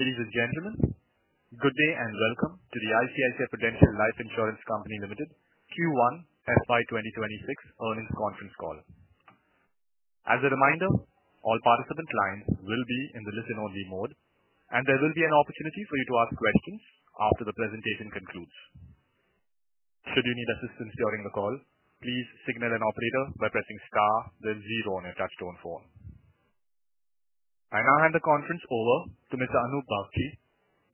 Ladies and gentlemen, good day and welcome to the ICICI Prudential Life Insurance Company Limited Q1 FY 2026 earnings conference call. As a reminder, all participant lines will be in the listen-only mode, and there will be an opportunity for you to ask questions after the presentation concludes. Should you need assistance during the call, please signal an operator by pressing star then zero on a touch-tone phone. I now hand the conference over to Mr. Anup Bagchi,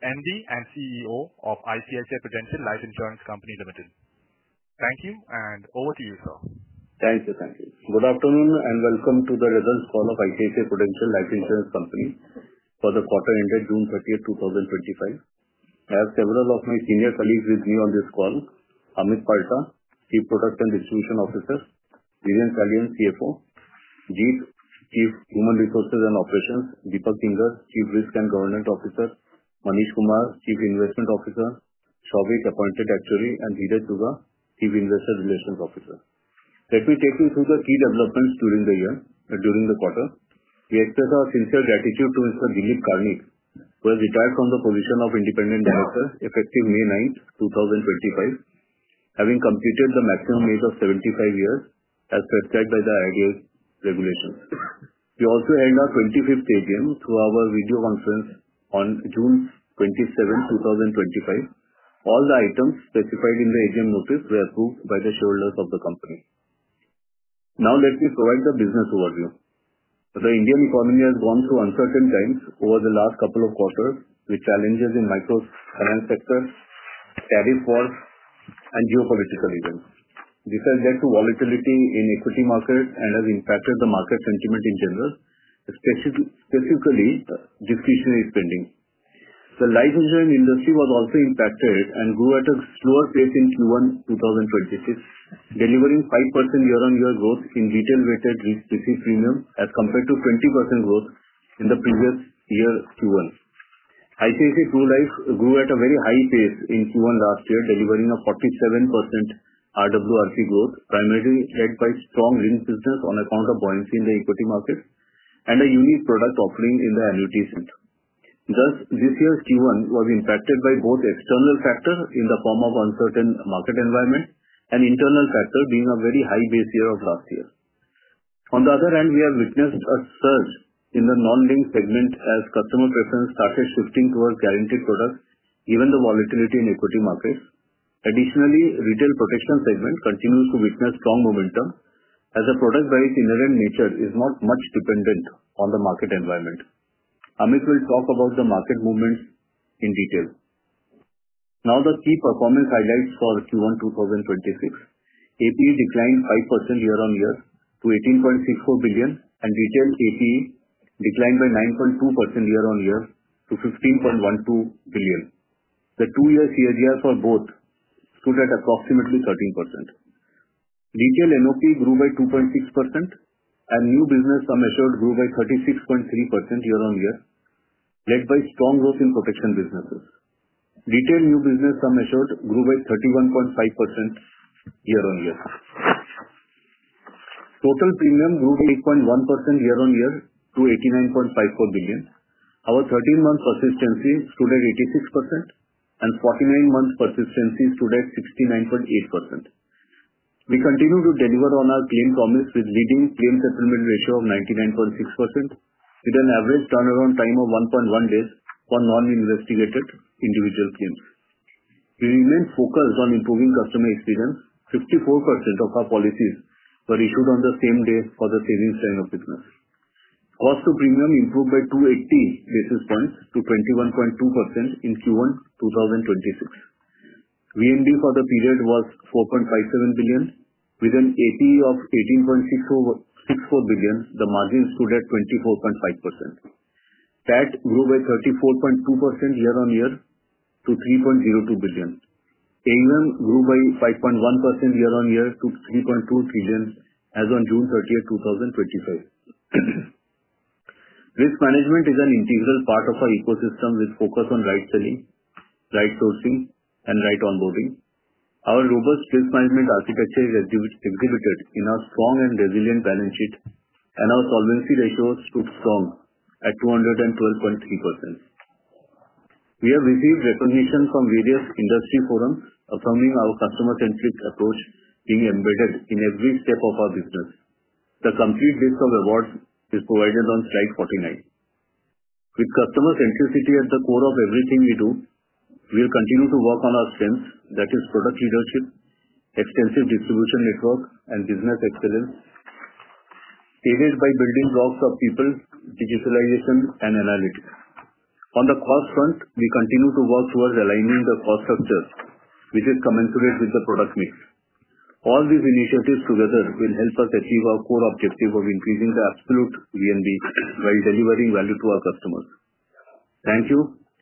MD and CEO of ICICI Prudential Life Insurance Company Limited. Thank you, and over to you, sir. Thank you, thank you. Good afternoon and welcome to the results call of ICICI Prudential Life Insurance Company for the quarter ended June 30, 2025. I have several of my senior colleagues with me on this call: Amit Palta, Chief Product and Distribution Officer; Dhiren Salian, CFO; Judhajit Das, Chief Human Resources and Operations; Deepak Kinger, Chief Risk and Governance Officer; Manish Kumar, Chief Investment Officer; Shobhik, Appointed Actuary; and Jitendra Juga, Chief Investor Relations Officer. Let me take you through the key developments during the year, during the quarter. We express our sincere gratitude to Mr. Dilip Karnik, who has retired from the position of Independent Director effective May 9, 2025, having completed the maximum age of 75 years as prescribed by the IRDAI regulations. We also held our 25th AGM through our video conference on June 27, 2025. All the items specified in the AGM notice were approved by the shareholders of the company. Now, let me provide the business overview. The Indian economy has gone through uncertain times over the last couple of quarters with challenges in microfinance sectors, tariff wars, and geopolitical events. This has led to volatility in equity markets and has impacted the market sentiment in general, especially discretionary spending. The life insurance industry was also impacted and grew at a slower pace in Q1 2026, delivering 5% year-on-year growth in retail-weighted received premium as compared to 20% growth in the previous year, Q1. ICICI Prudential Life grew at a very high pace in Q1 last year, delivering a 47% RWRP growth, primarily led by strong ring business on account of buoyancy in the equity market and a unique product offering in the annuity segment. Thus, this year's Q1 was impacted by both external factors in the form of uncertain market environment and internal factors being a very high base year of last year. On the other hand, we have witnessed a surge in the non-linked segment as customer preference started shifting towards guaranteed products, given the volatility in equity markets. Additionally, the retail protection segment continues to witness strong momentum as the product-based inherent nature is not much dependent on the market environment. Amit will talk about the market movements in detail. Now, the key performance highlights for Q1 2026: APE declined 5% year-on-year to 18.64 billion, and retail APE declined by 9.2% year-on-year to 15.12 billion. The two-year CAGR for both stood at approximately 13%. Retail NOP grew by 2.6%, and new business assured grew by 36.3% year-on-year, led by strong growth in protection businesses. Retail new business assured grew by 31.5% year-on-year. Total premium grew by 8.1% year-on-year to 89.54 billion. Our 13-month persistency stood at 86%, and 49-month persistency stood at 69.8%. We continue to deliver on our claim promise with leading claim settlement ratio of 99.6%, with an average turnaround time of 1.1 days for non-investigated individual claims. We remain focused on improving customer experience. 54% of our policies were issued on the same day for the savings line of business. Cost-to-premium improved by 280 basis points to 21.2% in Q1 2026. VNB for the period was 4.57 billion. With an APE of 18.64 billion, the margin stood at 24.5%. That grew by 34.2% year-on-year to 3.02 billion. AUM grew by 5.1% year-on-year to 3.2 trillion as of June 30th, 2025. Risk management is an integral part of our ecosystem with focus on right selling, right sourcing, and right onboarding. Our robust risk management architecture is exhibited in our strong and resilient balance sheet, and our solvency ratio stood strong at 212.3%. We have received recognition from various industry forums, affirming our customer-centric approach being embedded in every step of our business. The complete list of awards is provided on slide 49. With customer-centricity at the core of everything we do, we will continue to work on our strengths, that is, product leadership, extensive distribution network, and business excellence. Aided by building blocks of people, digitalization, and analytics. On the cost front, we continue to work towards aligning the cost structures, which is commensurate with the product mix. All these initiatives together will help us achieve our core objective of increasing the absolute VNB while delivering value to our customers. Thank you,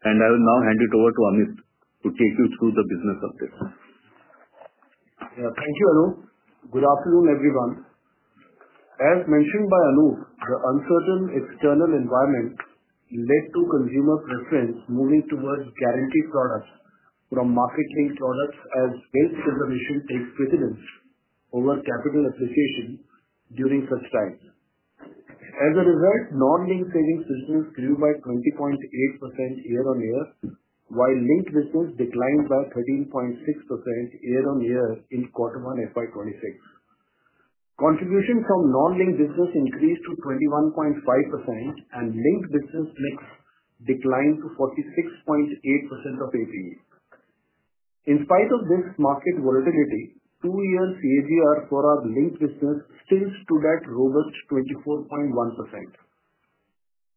and I will now hand it over to Amit to take you through the business update. Yeah, thank you, Anup. Good afternoon, everyone. As mentioned by Anup, the uncertain external environment led to consumer preference moving towards guaranteed products from market-linked products as wealth preservation takes precedence over capital appreciation during such times. As a result, non-linked savings business grew by 20.8% year-on-year, while linked business declined by 13.6% year-on-year in quarter one FY 2026. Contributions from non-linked business increased to 21.5%, and linked business mix declined to 46.8% of APE. In spite of this market volatility, two-year CAGR for our linked business still stood at robust 24.1%.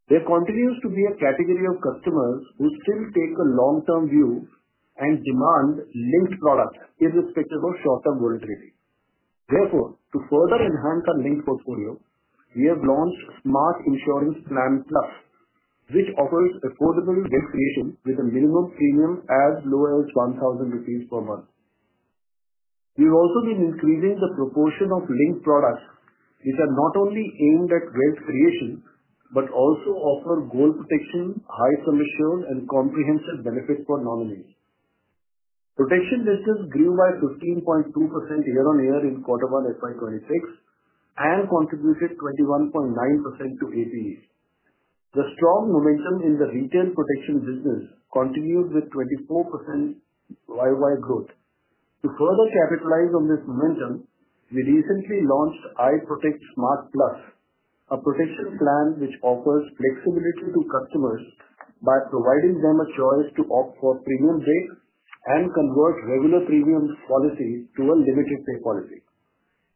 There continues to be a category of customers who still take a long-term view and demand linked products irrespective of short-term volatility. Therefore, to further enhance our linked portfolio, we have launched Smart Insurance Plan Plus, which offers affordable wealth creation with a minimum premium as low as 1,000 rupees per month. We have also been increasing the proportion of linked products, which are not only aimed at wealth creation but also offer goal protection, high sum assured, and comprehensive benefits for non-linked. Protection business grew by 15.2% year-on-year in quarter one FY 2026 and contributed 21.9% to APE. The strong momentum in the retail protection business continued with 24% YoY growth. To further capitalize on this momentum, we recently launched iProtect Smart Plus, a protection plan which offers flexibility to customers by providing them a choice to opt for premium rates and convert regular premium policies to a limited-pay policy.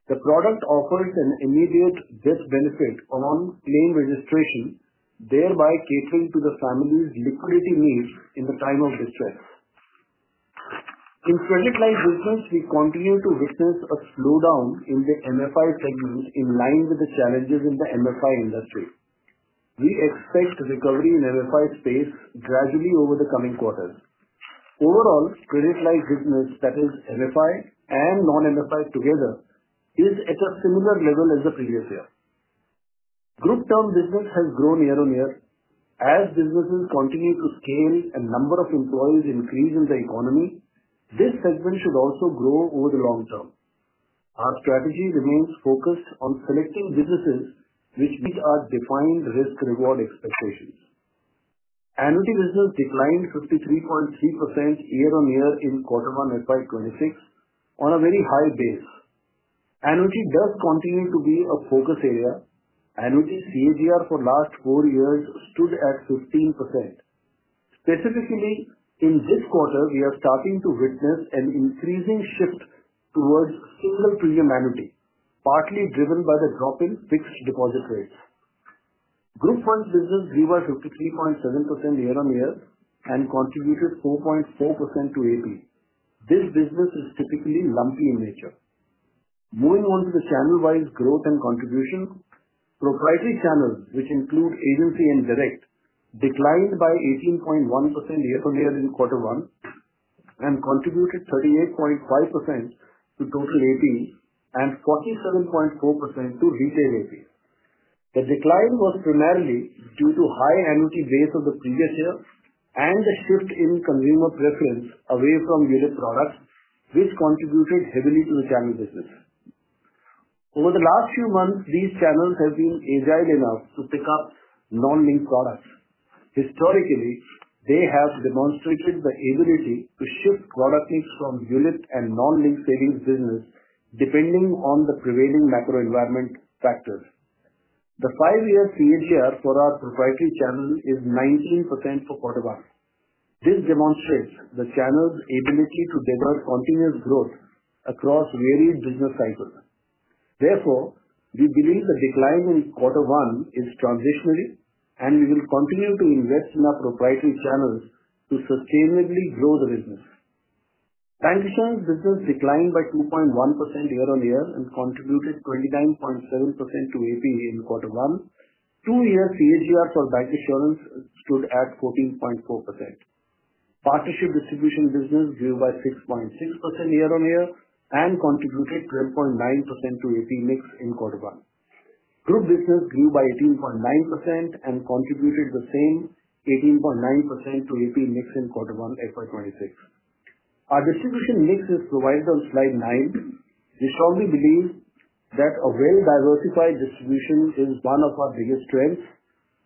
The product offers an immediate death benefit upon claim registration, thereby catering to the family's liquidity needs in the time of distress. In credit-life business, we continue to witness a slowdown in the MFI segment in line with the challenges in the MFI industry. We expect recovery in MFI space gradually over the coming quarters. Overall, credit-life business, that is, MFI and non-MFI together, is at a similar level as the previous year. Group term business has grown year-on-year. As businesses continue to scale and the number of employees increase in the economy, this segment should also grow over the long term. Our strategy remains focused on selecting businesses which meet our defined risk-reward expectations. Annuity business declined 53.3% year-on-year in quarter one FY2026 on a very high base. Annuity does continue to be a focus area. Annuity CAGR for the last four years stood at 15%. Specifically, in this quarter, we are starting to witness an increasing shift towards single premium annuity, partly driven by the drop in fixed deposit rates. Group funds business grew by 53.7% year-on-year and contributed 4.4% to APE. This business is typically lumpy in nature. Moving on to the channel-wise growth and contribution, proprietary channels, which include agency and direct, declined by 18.1% year-on-year in quarter one. They contributed 38.5% to total APE and 47.4% to retail APE. The decline was primarily due to the high annuity base of the previous year and the shift in consumer preference away from unit products, which contributed heavily to the channel business. Over the last few months, these channels have been agile enough to pick up non-linked products. Historically, they have demonstrated the ability to shift product mix from unit and non-linked savings business depending on the prevailing macro-environment factors. The five-year CAGR for our proprietary channel is 19% for quarter one. This demonstrates the channel's ability to deliver continuous growth across varied business cycles. Therefore, we believe the decline in quarter one is transitionary, and we will continue to invest in our proprietary channels to sustainably grow the business. Bancassurance business declined by 2.1% year-on-year and contributed 29.7% to APE in quarter one. Two-year CAGR for bancassurance stood at 14.4%. Partnership distribution business grew by 6.6% year-on-year and contributed 12.9% to APE mix in quarter one. Group business grew by 18.9% and contributed the same 18.9% to APE mix in quarter one FY 2026. Our distribution mix is provided on slide 9. We strongly believe that a well-diversified distribution is one of our biggest strengths.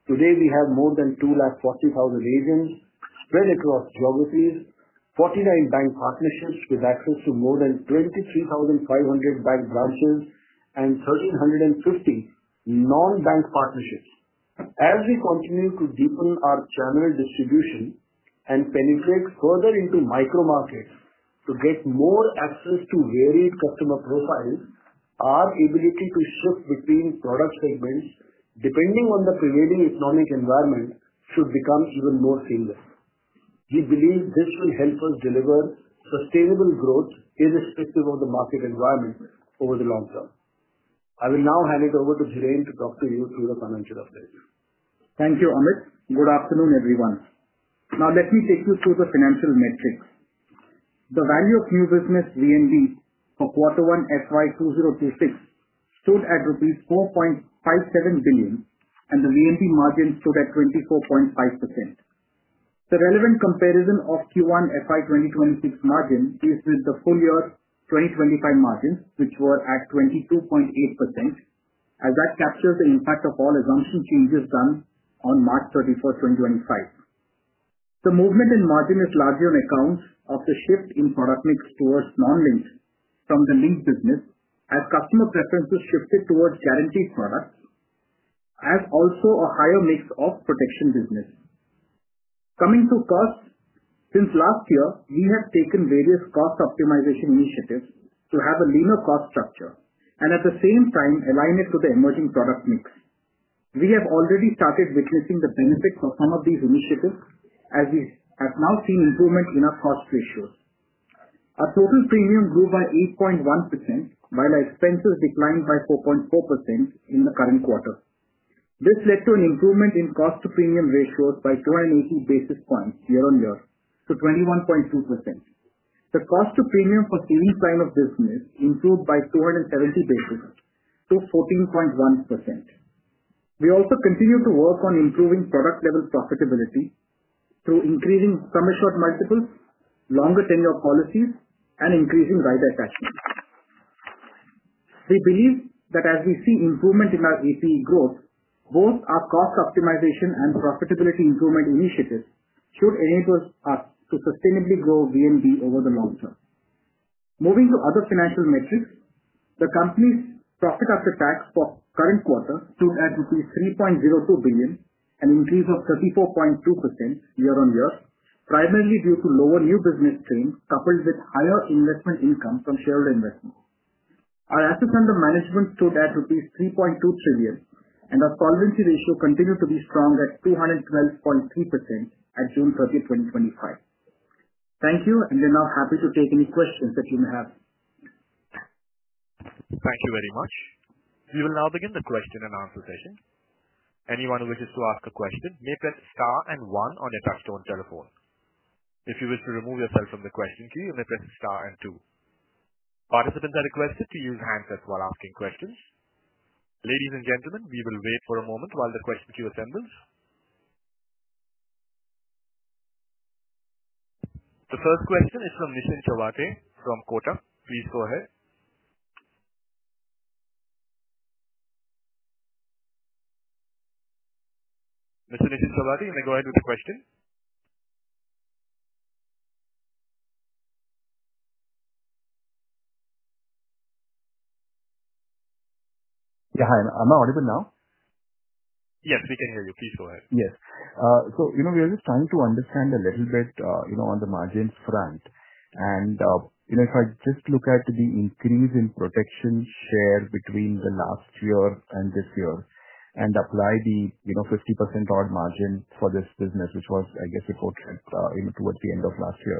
Today, we have more than 240,000 agents spread across geographies, 49 bank partnerships with access to more than 23,500 bank branches, and 1,350 non-bank partnerships. As we continue to deepen our channel distribution and penetrate further into micro-markets to get more access to varied customer profiles, our ability to shift between product segments depending on the prevailing economic environment should become even more seamless. We believe this will help us deliver sustainable growth irrespective of the market environment over the long term. I will now hand it over to Dhiren to talk to you through the financial update. Thank you, Amit. Good afternoon, everyone. Now, let me take you through the financial metrics. The value of new business VNB for quarter one FY 2026 stood at rupees 4.57 billion, and the VNB margin stood at 24.5%. The relevant comparison of Q1 FY2026 margin is with the full-year 2025 margins, which were at 22.8%, as that captures the impact of all assumption changes done on March 31st, 2025. The movement in margin is largely on account of the shift in product mix towards non-linked from the linked business, as customer preferences shifted towards guaranteed products. As also a higher mix of protection business. Coming to costs, since last year, we have taken various cost optimization initiatives to have a leaner cost structure and, at the same time, align it to the emerging product mix. We have already started witnessing the benefits of some of these initiatives, as we have now seen improvement in our cost ratios. Our total premium grew by 8.1%, while our expenses declined by 4.4% in the current quarter. This led to an improvement in cost-to-premium ratios by 280 basis points year-on-year to 21.2%. The cost-to-premium for savings line of business improved by 270 basis points to 14.1%. We also continue to work on improving product-level profitability through increasing sum assured multiples, longer tenure policies, and increasing rider attachments. We believe that as we see improvement in our APE growth, both our cost optimization and profitability improvement initiatives should enable us to sustainably grow VNB over the long term. Moving to other financial metrics, the company's profit after tax for the current quarter stood at rupees 3.02 billion, an increase of 34.2% year-on-year, primarily due to lower new business claims coupled with higher investment income from shareholder investments. Our assets under management stood at rupees 3.2 trillion, and our solvency ratio continued to be strong at 212.3% at June 30, 2025. Thank you, and we're now happy to take any questions that you may have. Thank you very much. We will now begin the question and answer session. Anyone who wishes to ask a question may press star and one on a touch-tone telephone. If you wish to remove yourself from the question queue, you may press star and two. Participants are requested to use handsets while asking questions. Ladies and gentlemen, we will wait for a moment while the question queue assembles. The first question is from Nishant Chouate from Kotak. Please go ahead. Mr. Nishant Chouate, you may go ahead with the question. Yeah, hi. Am I audible now? Yes, we can hear you. Please go ahead. Yes. So, you know, we're just trying to understand a little bit, you know, on the margins front. And, you know, if I just look at the increase in protection share between the last year and this year and apply the, you know, 50% odd margin for this business, which was, I guess, reported, you know, towards the end of last year,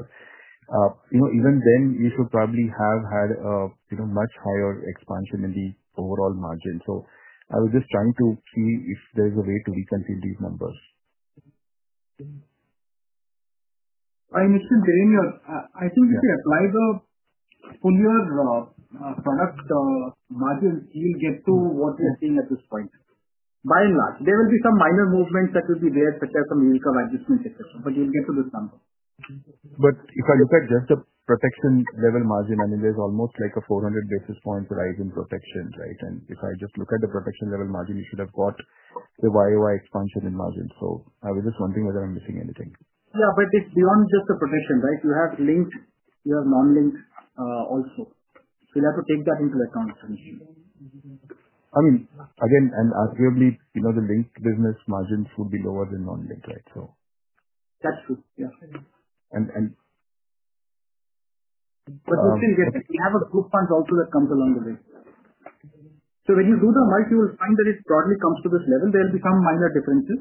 you know, even then, we should probably have had a, you know, much higher expansion in the overall margin. So I was just trying to see if there's a way to reconfigure these numbers. Hi, I think if we apply the full-year product margin, we'll get to what we are seeing at this point. By and large, there will be some minor movements that will be there, such as some unit of adjustment, etc., but we'll get to this number. If I look at just the protection-level margin, I mean, there's almost like a 400 basis points rise in protection, right? And if I just look at the protection-level margin, we should have got the YoY expansion in margin. I was just wondering whether I'm missing anything. Yeah, but it's beyond just the protection, right? You have linked, you have non-linked also. We'll have to take that into account, I mean. I mean, again, and arguably, you know, the linked business margins would be lower than non-linked, right? That's true. Yeah. And. We'll still get it. We have a group fund also that comes along the way. When you do the multi, you will find that it broadly comes to this level. There will be some minor differences,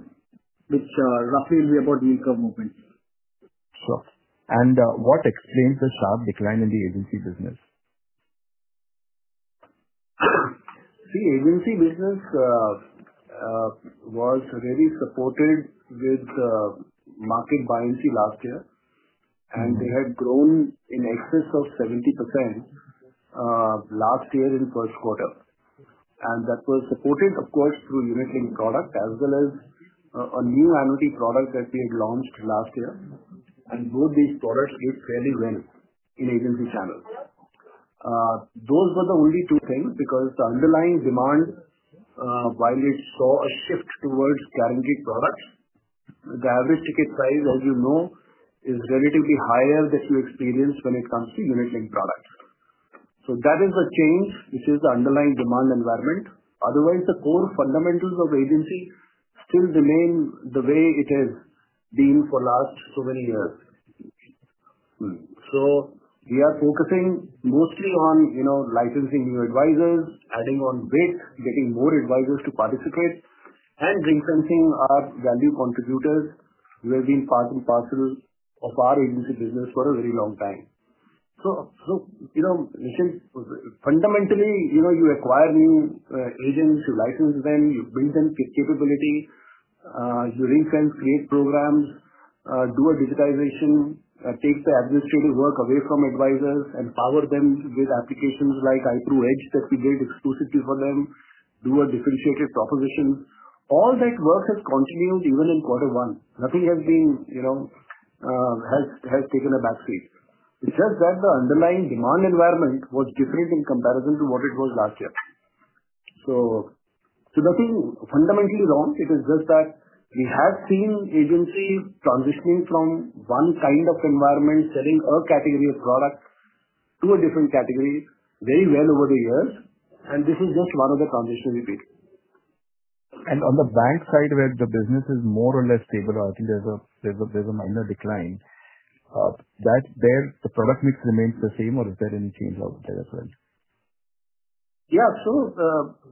which roughly will be about the unit of movement. Sure. What explains the sharp decline in the agency business? See, agency business was really supported with market buoyancy last year, and they had grown in excess of 70% last year in the first quarter. That was supported, of course, through unit-linked product as well as a new annuity product that we had launched last year. Both these products did fairly well in agency channels. Those were the only two things because the underlying demand, while it saw a shift towards guaranteed products, the average ticket price, as you know, is relatively higher that you experience when it comes to unit-linked products. That is the change, which is the underlying demand environment. Otherwise, the core fundamentals of agency still remain the way it has been for the last so many years. We are focusing mostly on, you know, licensing new advisors, adding on width, getting more advisors to participate, and ring-fencing our value contributors who have been part and parcel of our agency business for a very long time. You know, Nishant, fundamentally, you acquire new agents, you license them, you build them capability, you ring-fence, create programs, do a digitization, take the administrative work away from advisors, and power them with applications like iPro-Edge that we built exclusively for them, do a differentiated proposition. All that work has continued even in quarter one. Nothing has been, you know, has taken a back seat. It's just that the underlying demand environment was different in comparison to what it was last year. Nothing fundamentally wrong. It is just that we have seen agency transitioning from one kind of environment, selling a category of products to a different category very well over the years. This is just one of the transitions we've been. On the bank side, where the business is more or less stable, I think there's a minor decline. There, the product mix remains the same, or is there any change out there as well? Yeah, so the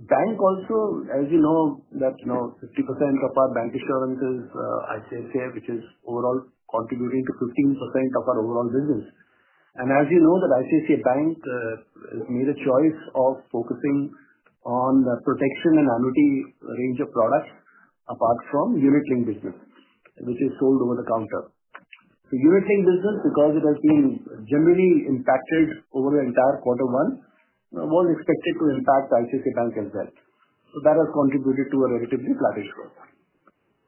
bank also, as you know, that, you know, 50% of our bancassurance is ICICI, which is overall contributing to 15% of our overall business. And as you know, that ICICI Bank has made a choice of focusing on the protection and annuity range of products apart from unit-linked business, which is sold over the counter. So unit-linked business, because it has been generally impacted over the entire quarter one, was expected to impact ICICI Bank as well. That has contributed to a relatively flattish growth.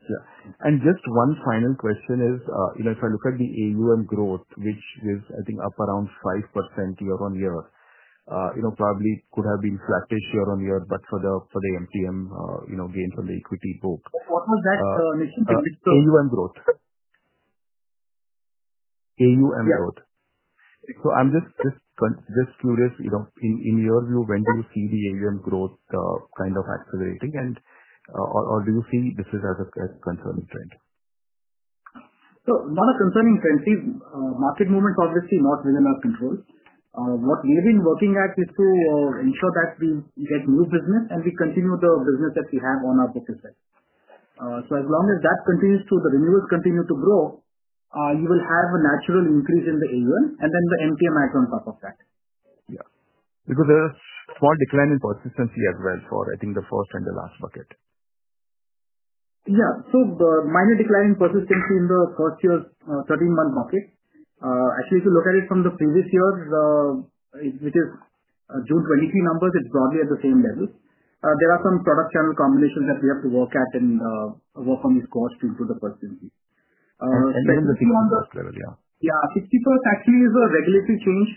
Yeah. And just one final question is, you know, if I look at the AUM growth, which is, I think, up around 5% year-on-year, you know, probably could have been flattish year-on-year, but for the MTM, you know, gains on the equity book. What was that, Nishant? AUM growth. Yeah. I'm just curious, you know, in your view, when do you see the AUM growth kind of accelerating, and do you see this as a concerning trend? Not a concerning trend. See, market movement is obviously not within our control. What we have been working at is to ensure that we get new business and we continue the business that we have on our booking side. As long as that continues to, the renewals continue to grow, you will have a natural increase in the AUM, and then the MTM adds on top of that. Yeah. Because there's a small decline in persistency as well for, I think, the first and the last bucket. Yeah. So the minor decline in persistency in the first year's 13-month bucket, actually, if you look at it from the previous year, which is June 2023 numbers, it's broadly at the same level. There are some product channel combinations that we have to work at and work on these costs to improve the persistency. That's the 50% level, yeah. Yeah. 50% actually is a regulatory change.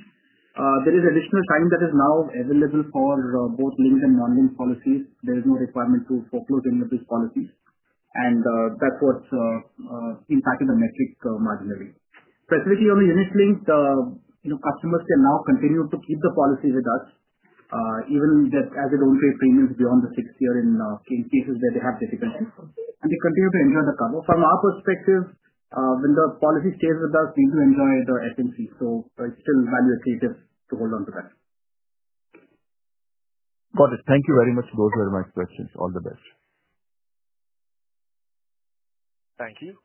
There is additional time that is now available for both linked and non-linked policies. There is no requirement to foreclose any of these policies. That is what has impacted the metric marginally. Specifically on the unit-linked, you know, customers can now continue to keep the policy with us, even as they do not pay premiums beyond the sixth year in cases where they have difficulties. They continue to enjoy the cover. From our perspective, when the policy stays with us, we do enjoy the SMC. It is still value-accretive to hold on to that. Got it. Thank you very much for those questions. All the best. Thank you.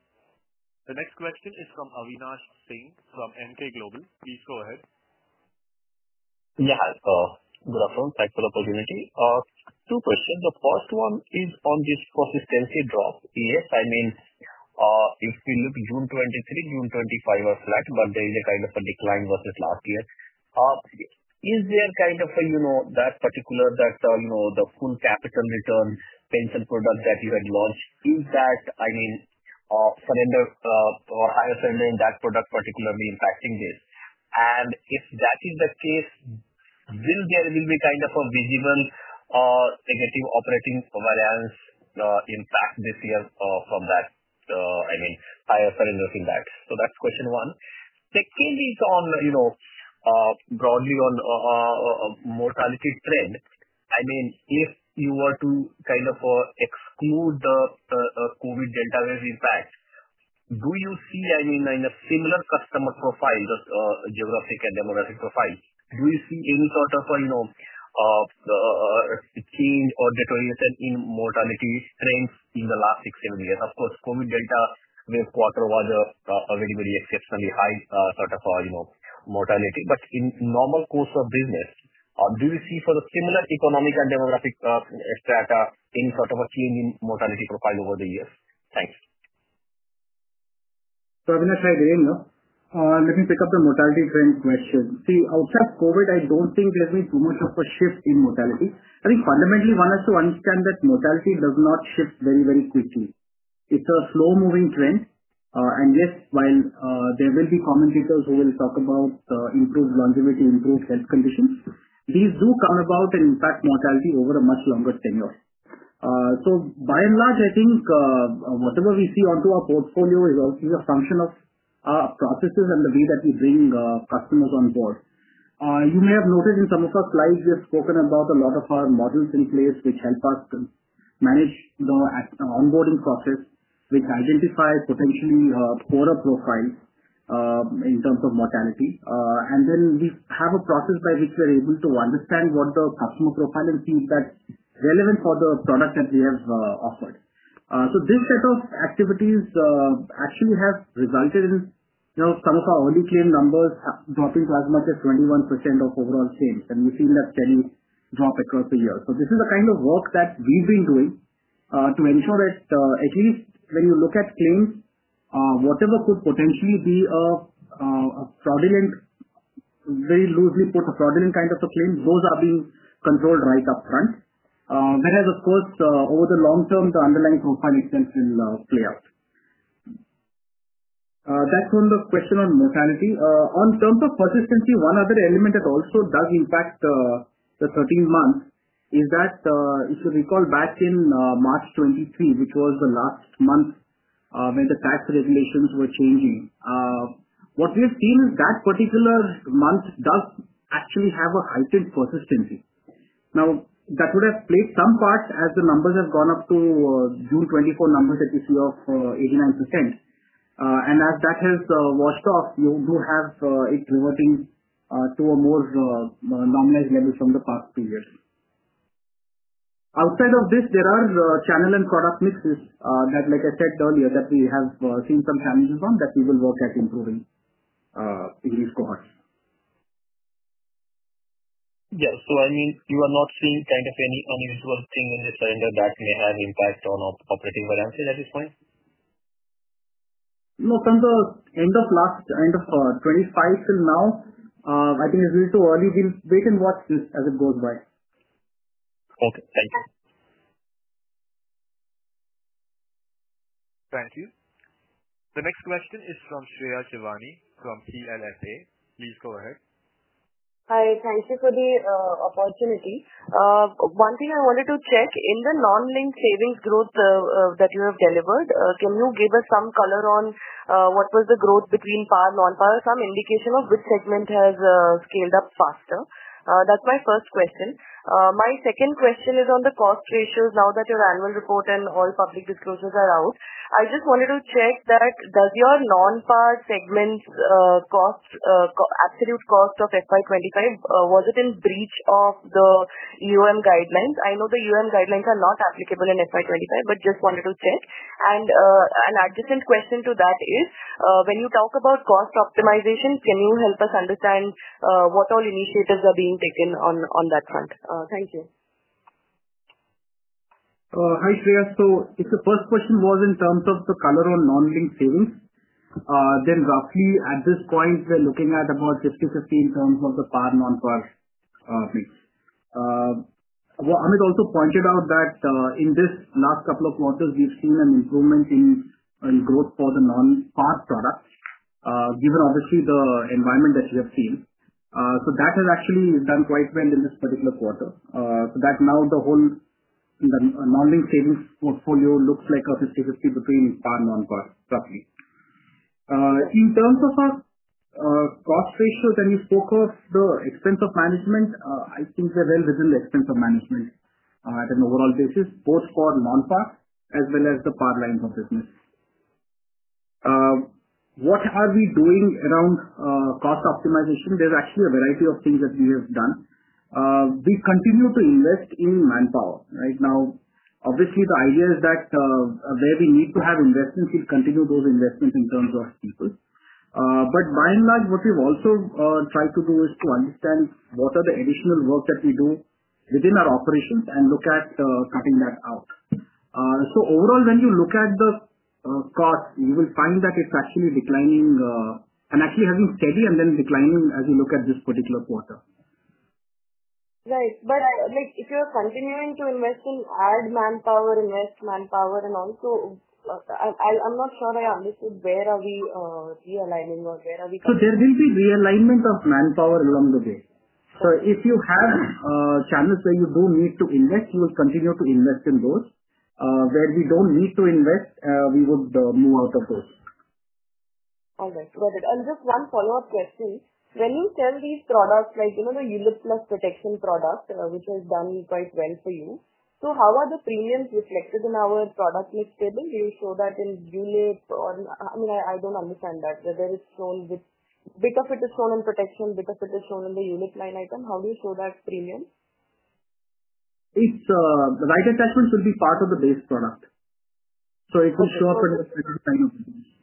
The next question is from Avinash Singh from Emkay Global. Please go ahead. Yeah, hi. Good afternoon. Thanks for the opportunity. Two questions. The first one is on this persistency drop. Yes, I mean, if we look at June 2023, June 2025 are flat, but there is a kind of a decline versus last year. Is there kind of a, you know, that particular, that, you know, the full capital return pension product that you had launched, is that, I mean, surrender or higher surrender in that product particularly impacting this? And if that is the case, will there be kind of a visible negative operating variance impact this year from that, I mean, higher surrender in that? So that's question one. Second is on, you know, broadly on a mortality trend. I mean, if you were to kind of exclude the COVID delta wave impact, do you see, I mean, in a similar customer profile, just geographic and demographic profile, do you see any sort of a change or deterioration in mortality trends in the last six, seven years? Of course, COVID delta wave quarter was a very, very exceptionally high sort of a, you know, mortality. In normal course of business, do you see for the similar economic and demographic strata any sort of a change in mortality profile over the years? Thanks. I'm going to try again, you know. Let me pick up the mortality trend question. See, outside of COVID, I don't think there's been too much of a shift in mortality. I think fundamentally, one has to understand that mortality does not shift very, very quickly. It's a slow-moving trend. Yes, while there will be commentators who will talk about improved longevity, improved health conditions, these do come about and impact mortality over a much longer tenure. By and large, I think whatever we see onto our portfolio is obviously a function of our processes and the way that we bring customers on board. You may have noticed in some of our slides, we have spoken about a lot of our models in place, which help us manage the onboarding process, which identify potentially poorer profiles. In terms of mortality. We have a process by which we are able to understand what the customer profile and feed that's relevant for the product that we have offered. This set of activities actually has resulted in, you know, some of our early claim numbers dropping to as much as 21% of overall claims. We've seen that steady drop across the years. This is the kind of work that we've been doing to ensure that at least when you look at claims, whatever could potentially be a fraudulent, very loosely put, a fraudulent kind of a claim, those are being controlled right up front. Of course, over the long term, the underlying profile extent will play out. That's on the question on mortality. On terms of persistency, one other element that also does impact the 13 months is that, if you recall back in March 2023, which was the last month. When the tax regulations were changing. What we have seen is that particular month does actually have a heightened persistency. Now, that would have played some part as the numbers have gone up to June 2024 numbers that you see of 89%. And as that has washed off, you do have it reverting to a more normalized level from the past period. Outside of this, there are channel and product mixes that, like I said earlier, that we have seen some challenges on that we will work at improving. In these cohorts. Yeah. So, I mean, you are not seeing kind of any unusual thing in this surrender that may have impact on operating variancy at this point? No, from the end of last, end of 2025 till now, I think it's a little too early. We'll wait and watch this as it goes by. Okay. Thank you. Thank you. The next question is from Shreya Shivani from CLSA. Please go ahead. Hi. Thank you for the opportunity. One thing I wanted to check, in the non-linked savings growth that you have delivered, can you give us some color on what was the growth between PAR, Non-PAR, some indication of which segment has scaled up faster? That is my first question. My second question is on the cost ratios now that your annual report and all public disclosures are out. I just wanted to check that does your Non-PAR segments' cost, absolute cost of FY 2025, was it in breach of the EOM guidelines? I know the EOM guidelines are not applicable in FY 2025, but just wanted to check. An adjacent question to that is, when you talk about cost optimization, can you help us understand what all initiatives are being taken on that front? Thank you. Hi, Shreya. If the first question was in terms of the color on non-linked savings, then roughly at this point, we're looking at about 50-50 in terms of the PAR, Non-PAR mix. Amit also pointed out that in this last couple of quarters, we've seen an improvement in growth for the Non-PAR product, given obviously the environment that you have seen. That has actually done quite well in this particular quarter. Now the whole non-linked savings portfolio looks like a 50-50 between PAR and Non-PAR, roughly. In terms of our cost ratios, and we focus the expense of management, I think we're well within the expense of management at an overall basis, both for Non-PAR as well as the PAR lines of business. What are we doing around cost optimization? There's actually a variety of things that we have done. We continue to invest in manpower. Right now, obviously, the idea is that. Where we need to have investments, we'll continue those investments in terms of people. But by and large, what we've also tried to do is to understand what are the additional work that we do within our operations and look at cutting that out. Overall, when you look at the cost, you will find that it's actually declining and actually has been steady and then declining as you look at this particular quarter. Right. If you're continuing to invest in and add manpower, invest manpower, and also, I'm not sure I understood where are we realigning or where are we coming from. There will be realignment of manpower along the way. If you have channels where you do need to invest, you will continue to invest in those. Where we do not need to invest, we would move out of those. All right. Got it. Just one follow-up question. When you sell these products, like, you know, the unit-plus protection product, which has done quite well for you, how are the premiums reflected in our product mix table? Do you show that in unit or, I mean, I do not understand that. Whether it is shown with, a bit of it is shown in protection, a bit of it is shown in the unit line item, how do you show that premium? Right assessments will be part of the base product. So it will show up in the second line of the list.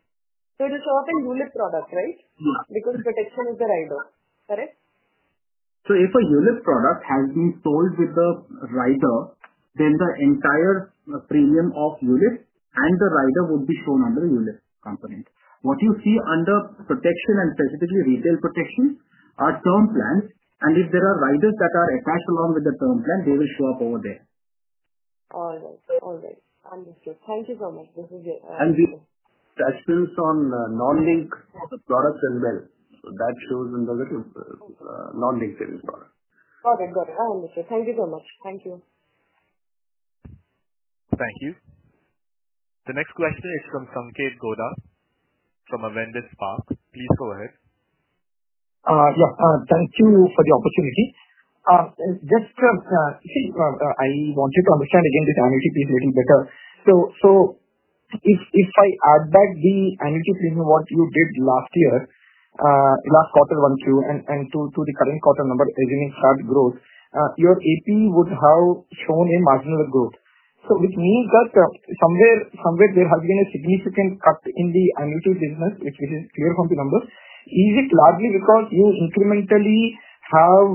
It will show up in unit product, right? Yeah. Because protection is the rider. Correct? If a unit product has been sold with the rider, then the entire premium of unit and the rider would be shown under the unit component. What you see under protection and specifically retail protection are term plans, and if there are riders that are attached along with the term plan, they will show up over there. All right. All right. Understood. Thank you so much. This is it. The assessments on non-linked products as well. That shows under the non-linked savings product. Got it. Got it. Understood. Thank you so much. Thank you. Thank you. The next question is from Sanket Gowda from Avendus Capital. Please go ahead. Yeah. Thank you for the opportunity. Just, see, I want you to understand again this annuity piece a little better. If I add back the annuity premium, what you did last year, last quarter one through and through the current quarter number, assuming flat growth, your APE would have shown a marginal growth. Which means that somewhere there has been a significant cut in the annuity business, which is clear from the numbers. Is it largely because you incrementally have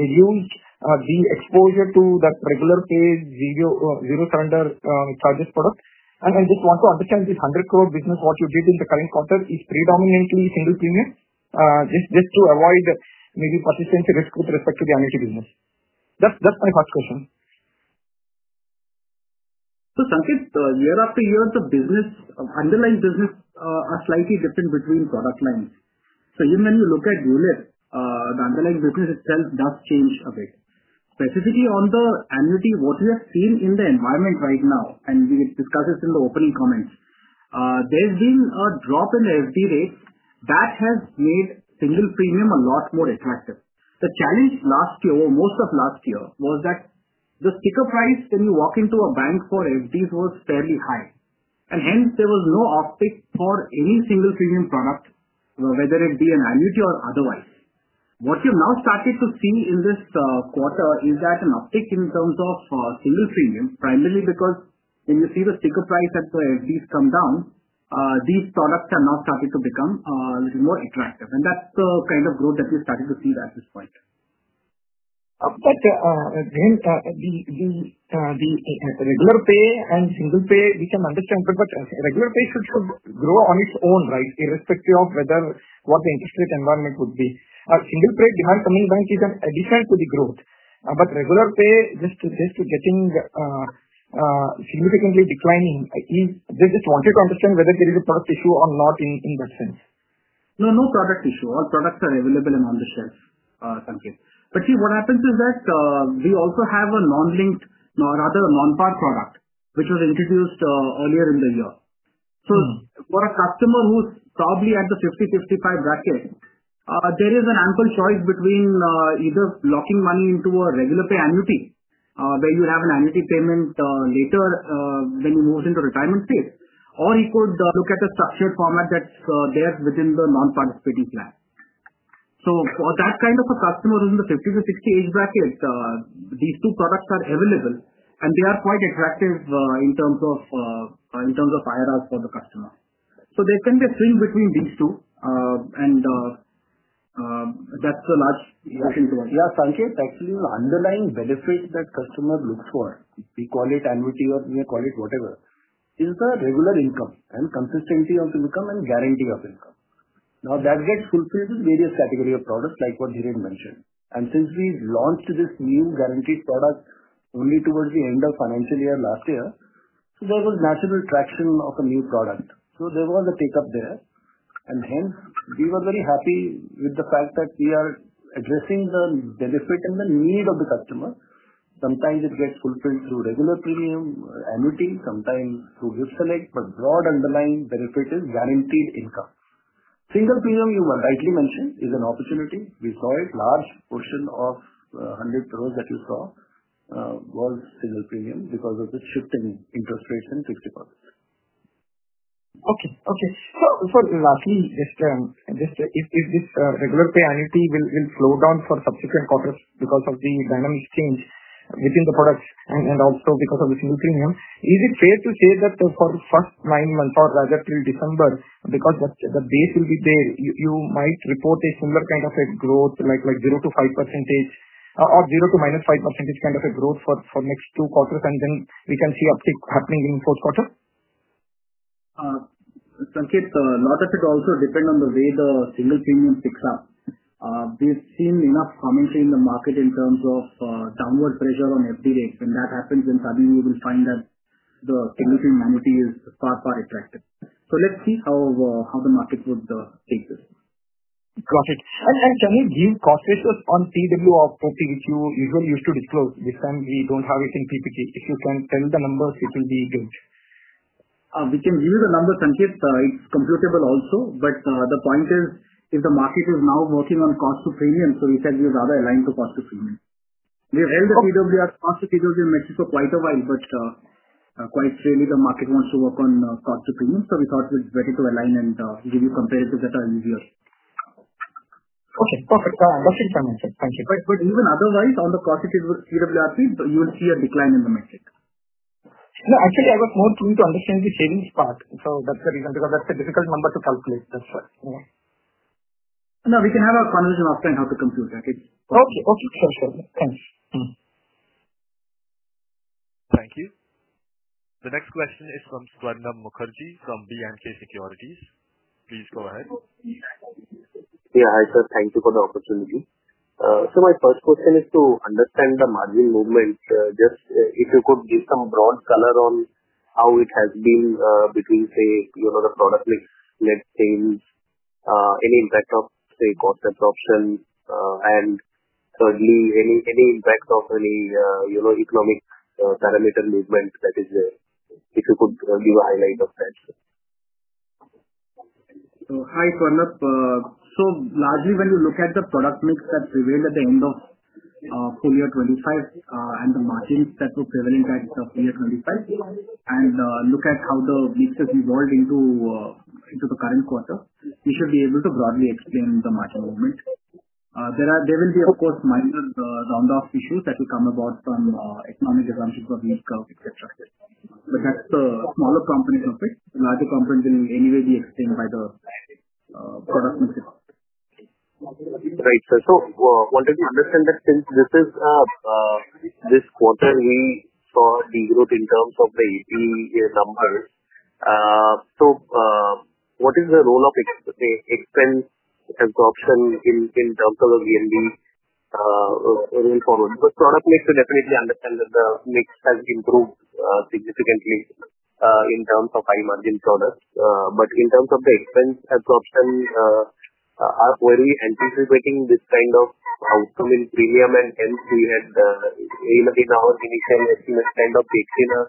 reduced the exposure to that regular phase zero surrender charges product? I just want to understand this 100 crore business, what you did in the current quarter is predominantly single premium, just to avoid maybe persistency risk with respect to the annuity business. That's my first question. Sanket, year after year, the business, underlying business are slightly different between product lines. Even when you look at unit, the underlying business itself does change a bit. Specifically on the annuity, what we have seen in the environment right now, and we discussed this in the opening comments, there's been a drop in the FD rate that has made single premium a lot more attractive. The challenge last year, or most of last year, was that the sticker price when you walk into a bank for FDs was fairly high. Hence, there was no optic for any single premium product, whether it be an annuity or otherwise. What you've now started to see in this quarter is that an optic in terms of single premium, primarily because when you see the sticker price at the FDs come down. These products are now starting to become a little more attractive. That is the kind of growth that we've started to see at this point. Again, the regular pay and single pay, we can understand, but regular pay should grow on its own, right, irrespective of whether what the interest rate environment would be. Single pay demand coming back is an addition to the growth. But regular pay just is getting significantly declining. I just wanted to understand whether there is a product issue or not in that sense. No, no product issue. All products are available and on the shelf, Sanket. See, what happens is that we also have a non-linked, rather Non-PAR product, which was introduced earlier in the year. For a customer who's probably at the 50-55 bracket, there is ample choice between either locking money into a regular pay annuity, where you have an annuity payment later when you move into retirement phase, or you could look at a structured format that's there within the non-participating plan. For that kind of a customer who's in the 50-60 age bracket, these two products are available, and they are quite attractive in terms of IRRs for the customer. There can be a swing between these two, and that's the large question to answer. Yeah, Sanket, actually, the underlying benefit that customers look for, we call it annuity or we call it whatever, is the regular income and consistency of income and guarantee of income. Now, that gets fulfilled with various categories of products like what Dhiren mentioned. Since we launched this new guaranteed product only towards the end of financial year last year, there was natural traction of a new product. There was a take-up there. Hence, we were very happy with the fact that we are addressing the benefit and the need of the customer. Sometimes it gets fulfilled through regular premium annuity, sometimes through GIFT Select, but broad underlying benefit is guaranteed income. Single premium, you rightly mentioned, is an opportunity. We saw it. Large portion of 100 crore that you saw was single premium because of the shifting interest rates in 50%. Okay. Okay. So for roughly this, if this regular pay annuity will slow down for subsequent quarters because of the dynamic change within the products and also because of the single premium, is it fair to say that for the first nine months or rather till December, because the base will be there, you might report a similar kind of a growth, like 0-5% orR 0 to -5% kind of a growth for next two quarters, and then we can see uptick happening in the fourth quarter? Sanket, a lot of it also depends on the way the single premium picks up. We have seen enough commentary in the market in terms of downward pressure on FD rates. When that happens, then suddenly you will find that the single premium annuity is far, far attractive. Let us see how the market would take this. Got it. Can you give cost ratios on RWRP of PPT, which you usually used to disclose? This time we do not have it in PPT. If you can tell the numbers, it will be good. We can give you the numbers, Sanket. It's computable also. The point is, if the market is now working on cost to premium, we said we'd rather align to cost to premium. We've held the RWRP, cost to RWRP metrics for quite a while. Quite clearly, the market wants to work on cost to premium. We thought we'd better align and give you comparatives that are easier. Okay. Perfect. That's fine. Thank you. Even otherwise, on the cost RWRP, you will see a decline in the metric. No, actually, I was more keen to understand the savings part. That's the reason, because that's a difficult number to calculate. That's why. No, we can have a conversation after and how to compute that. Okay. Sure. Thanks. Thank you. The next question is from Swarnabha Mukherjee from B&K Securities. Please go ahead. Yeah, hi, sir. Thank you for the opportunity. My first question is to understand the margin movement. Just if you could give some broad color on how it has been between, say, the product mix net sales, any impact of, say, cost absorption, and thirdly, any impact of any economic parameter movement that is there. If you could give a highlight of that. Hi, Swarnabha. Largely, when you look at the product mix that's revealed at the end of full year 2025 and the margins that were prevalent at full year 2025, and look at how the mix has evolved into the current quarter, you should be able to broadly explain the margin movement. There will be, of course, minor round-off issues that will come about from economic assumptions of income, etc. That's the smaller component of it. The larger component will anyway be explained by the product mix itself. Right, sir. Wanted to understand that since this is, this quarter, we saw a degree of, in terms of the APE numbers. What is the role of expense absorption in terms of the VNB role forward? The product mix, we definitely understand that the mix has improved significantly in terms of high-margin products. In terms of the expense absorption, are we anticipating this kind of outcome in premium, and hence, we had, in our initial estimate, kind of taken a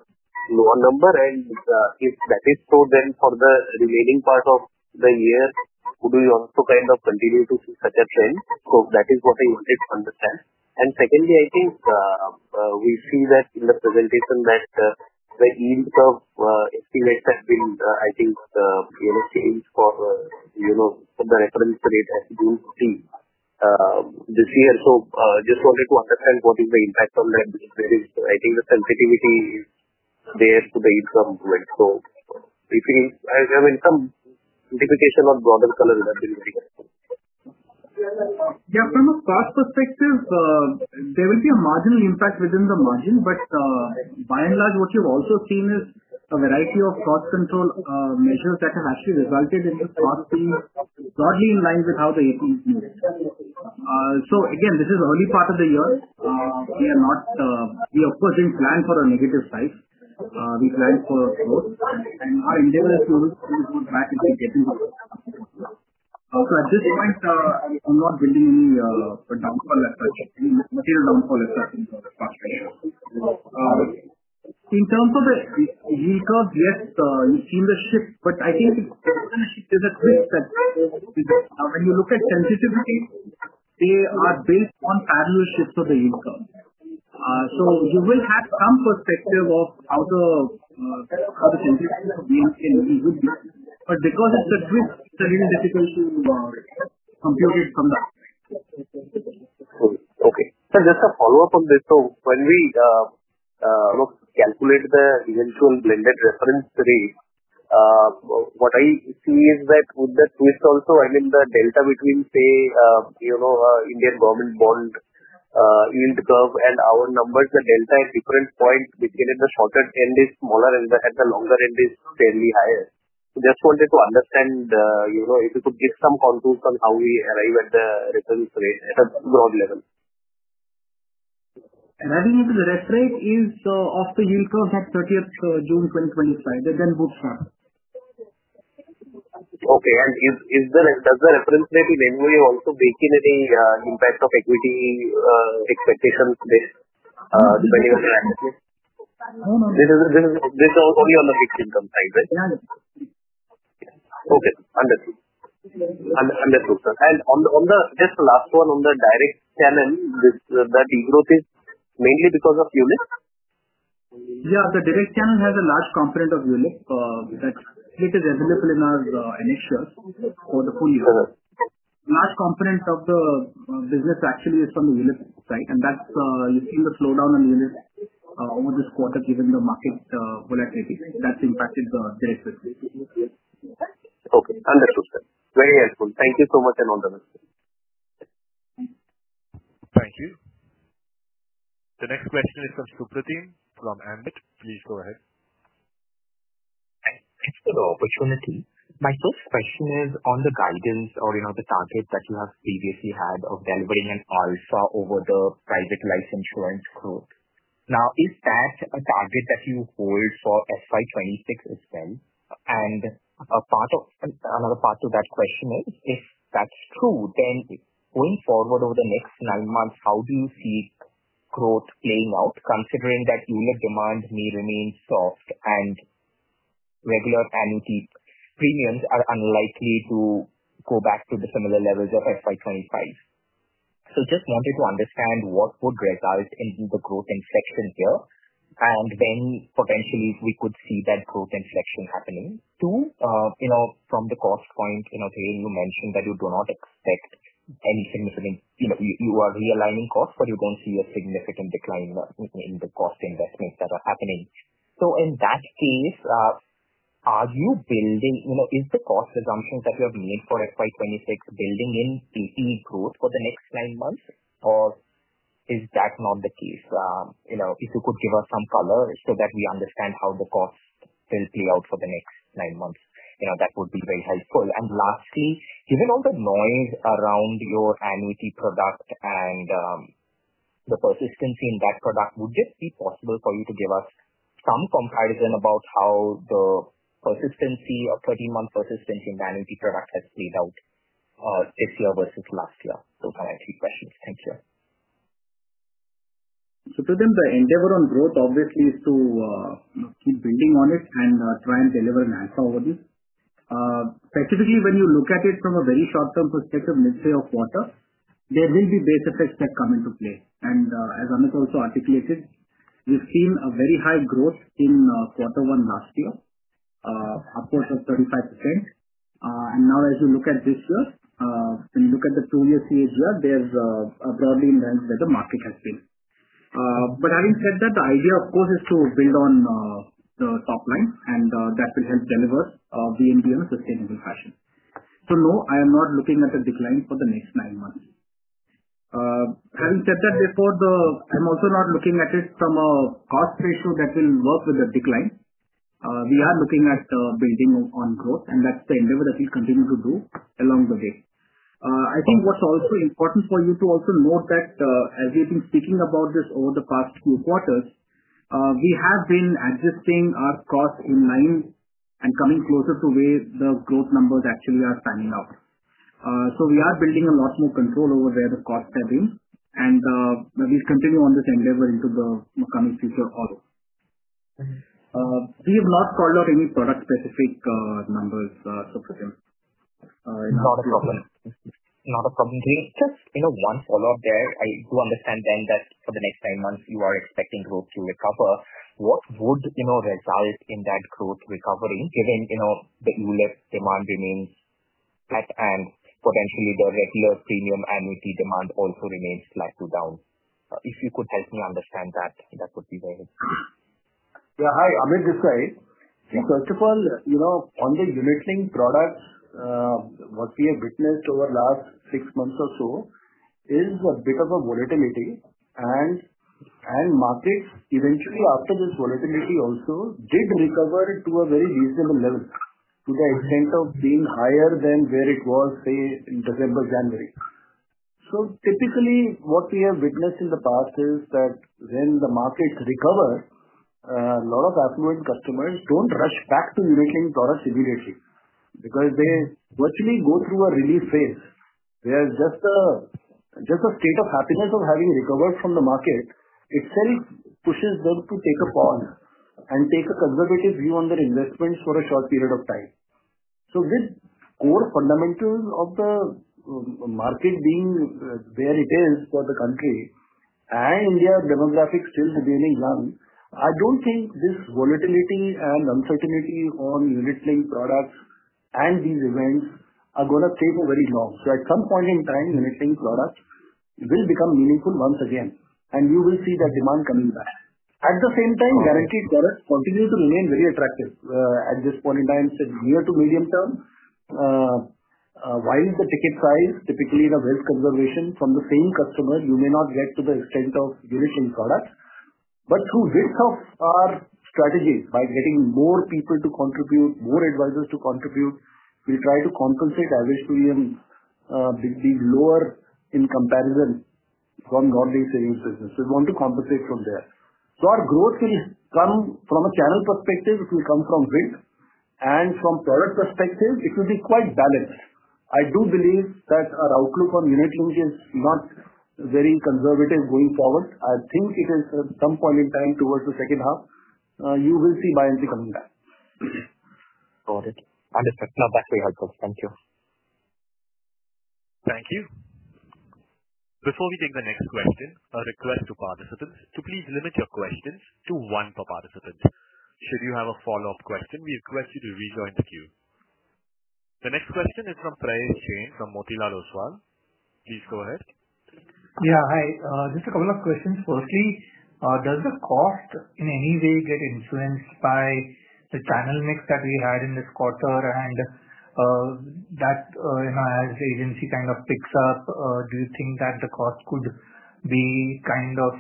lower number? If that is so, then for the remaining part of the year, would we also continue to see such a trend? That is what I wanted to understand. Secondly, I think we see that in the presentation, the yield curve estimates have been, I think, changed for the reference rate as you see this year. Just wanted to understand what is the impact on that, because I think the sensitivity is there to the yield curve movement. If you have some indication of broader color in that, it would be helpful. Yeah. From a cost perspective, there will be a marginal impact within the margin. By and large, what you've also seen is a variety of cost control measures that have actually resulted in the cost being broadly in line with how the APE is moving. Again, this is early part of the year. We are not. We of course did not plan for a negative side. We planned for growth. Our endeavor is to move back into getting to growth. At this point, I'm not building any downfall assessment, any material downfall assessment for the cost ratios. In terms of the yield curve, yes, you've seen the shift. I think there is a twist that when you look at sensitivity, they are based on parallel shifts of the yield curve. You will have some perspective of how the sensitivity would be. Because it's a twist, it's a little difficult to compute it from that. Okay. Just a follow-up on this. When we calculate the eventual blended reference rate, what I see is that with the twist also, I mean, the delta between, say, Indian government bond yield curve and our numbers, the delta at different points between at the shorter end is smaller and at the longer end is fairly higher. Just wanted to understand if you could give some contours on how we arrive at the reference rate at a broad level. I think the reference rate is of the yield curve at 30th June 2025. Then bootstrap. Okay. Does the reference rate in any way also bake in any impact of equity expectations based depending on the asset list? No, no. This is only on the fixed income side, right? Yeah. Okay. Understood. Understood, sir. Just the last one on the direct channel, that degrowth is mainly because of ULIP? Yeah. The direct channel has a large component of ULIP. That is available in our NH shares for the full year. A large component of the business actually is from the ULIP side. You have seen the slowdown on the ULIP over this quarter given the market volatility. That has impacted the direct business. Okay. Understood, sir. Very helpful. Thank you so much and all the best. Thank you. The next question is from Subraten from Ambit. Please go ahead. Thanks for the opportunity. My first question is on the guidance or the target that you have previously had of delivering an alpha over the private life insurance growth. Now, is that a target that you hold for FY 2026 as well? Another part to that question is, if that's true, then going forward over the next nine months, how do you see growth playing out, considering that ULIP demand may remain soft and regular annuity premiums are unlikely to go back to the similar levels of FY 2025? Just wanted to understand what would result in the growth inflection here, and when potentially we could see that growth inflection happening. Two, from the cost point, Dhiren, you mentioned that you do not expect any significant, you are realigning costs, but you do not see a significant decline in the cost investments that are happening. In that case. Are you building in the cost assumptions that you have made for FY 2026, building in APE growth for the next nine months, or is that not the case? If you could give us some color so that we understand how the costs will play out for the next nine months, that would be very helpful. Lastly, given all the noise around your annuity product and the persistency in that product, would it be possible for you to give us some comparison about how the persistency, a 13-month persistency in the annuity product, has played out this year versus last year? Those are my three questions. Thank you. Prudhwin, the endeavor on growth obviously is to keep building on it and try and deliver an alpha over this. Specifically, when you look at it from a very short-term perspective, let's say of quarter, there will be base effects that come into play. As Amit also articulated, we've seen a very high growth in quarter one last year, upwards of 35%. Now, as you look at this year, when you look at the previous year's year, there's a broadly enhanced where the market has been. Having said that, the idea, of course, is to build on the top line, and that will help deliver VNB in a sustainable fashion. No, I am not looking at a decline for the next nine months. Having said that, I'm also not looking at it from a cost ratio that will work with the decline. We are looking at building on growth, and that's the endeavor that we continue to do along the way. I think what's also important for you to also note that, as we've been speaking about this over the past few quarters, we have been adjusting our costs in line and coming closer to where the growth numbers actually are standing out. We are building a lot more control over where the costs have been, and we'll continue on this endeavor into the coming future also. We have not called out any product-specific numbers, so Prudhwin. Not a problem. Not a problem. Just one follow-up there. I do understand then that for the next nine months, you are expecting growth to recover. What would result in that growth recovering given the ULIP demand remains flat and potentially the regular premium annuity demand also remains slightly down? If you could help me understand that, that would be very helpful. Yeah. Hi, Amit this side. First of all, on the unit link products. What we have witnessed over the last six months or so is a bit of a volatility. Markets eventually, after this volatility also, did recover to a very reasonable level to the extent of being higher than where it was, say, in December, January. Typically, what we have witnessed in the past is that when the markets recover, a lot of affluent customers do not rush back to unit link products immediately because they virtually go through a relief phase where just the state of happiness of having recovered from the market itself pushes them to take a pause and take a conservative view on their investments for a short period of time. With core fundamentals of the. Market being where it is for the country and India demographics still remaining young, I don't think this volatility and uncertainty on unit link products and these events are going to stay for very long. At some point in time, unit link products will become meaningful once again, and you will see that demand coming back. At the same time, guaranteed products continue to remain very attractive at this point in time, say, near to medium term. While the ticket size, typically the wealth conservation from the same customer, you may not get to the extent of unit link products. Through width of our strategy, by getting more people to contribute, more advisors to contribute, we'll try to compensate. Average premiums be lower in comparison from non-based savings business. We want to compensate from there. Our growth will come from a channel perspective. It will come from width. From product perspective, it will be quite balanced. I do believe that our outlook on unit link is not very conservative going forward. I think it is, at some point in time, towards the second half, you will see buy and sell coming back. Got it. Understood. No, that's very helpful. Thank you. Thank you. Before we take the next question, a request to participants to please limit your questions to one per participant. Should you have a follow-up question, we request you to rejoin the queue. The next question is from Prayesh Jain from Motilal Oswal. Please go ahead. Yeah. Hi. Just a couple of questions. Firstly, does the cost in any way get influenced by the channel mix that we had in this quarter? That, as the agency kind of picks up, do you think that the cost could be kind of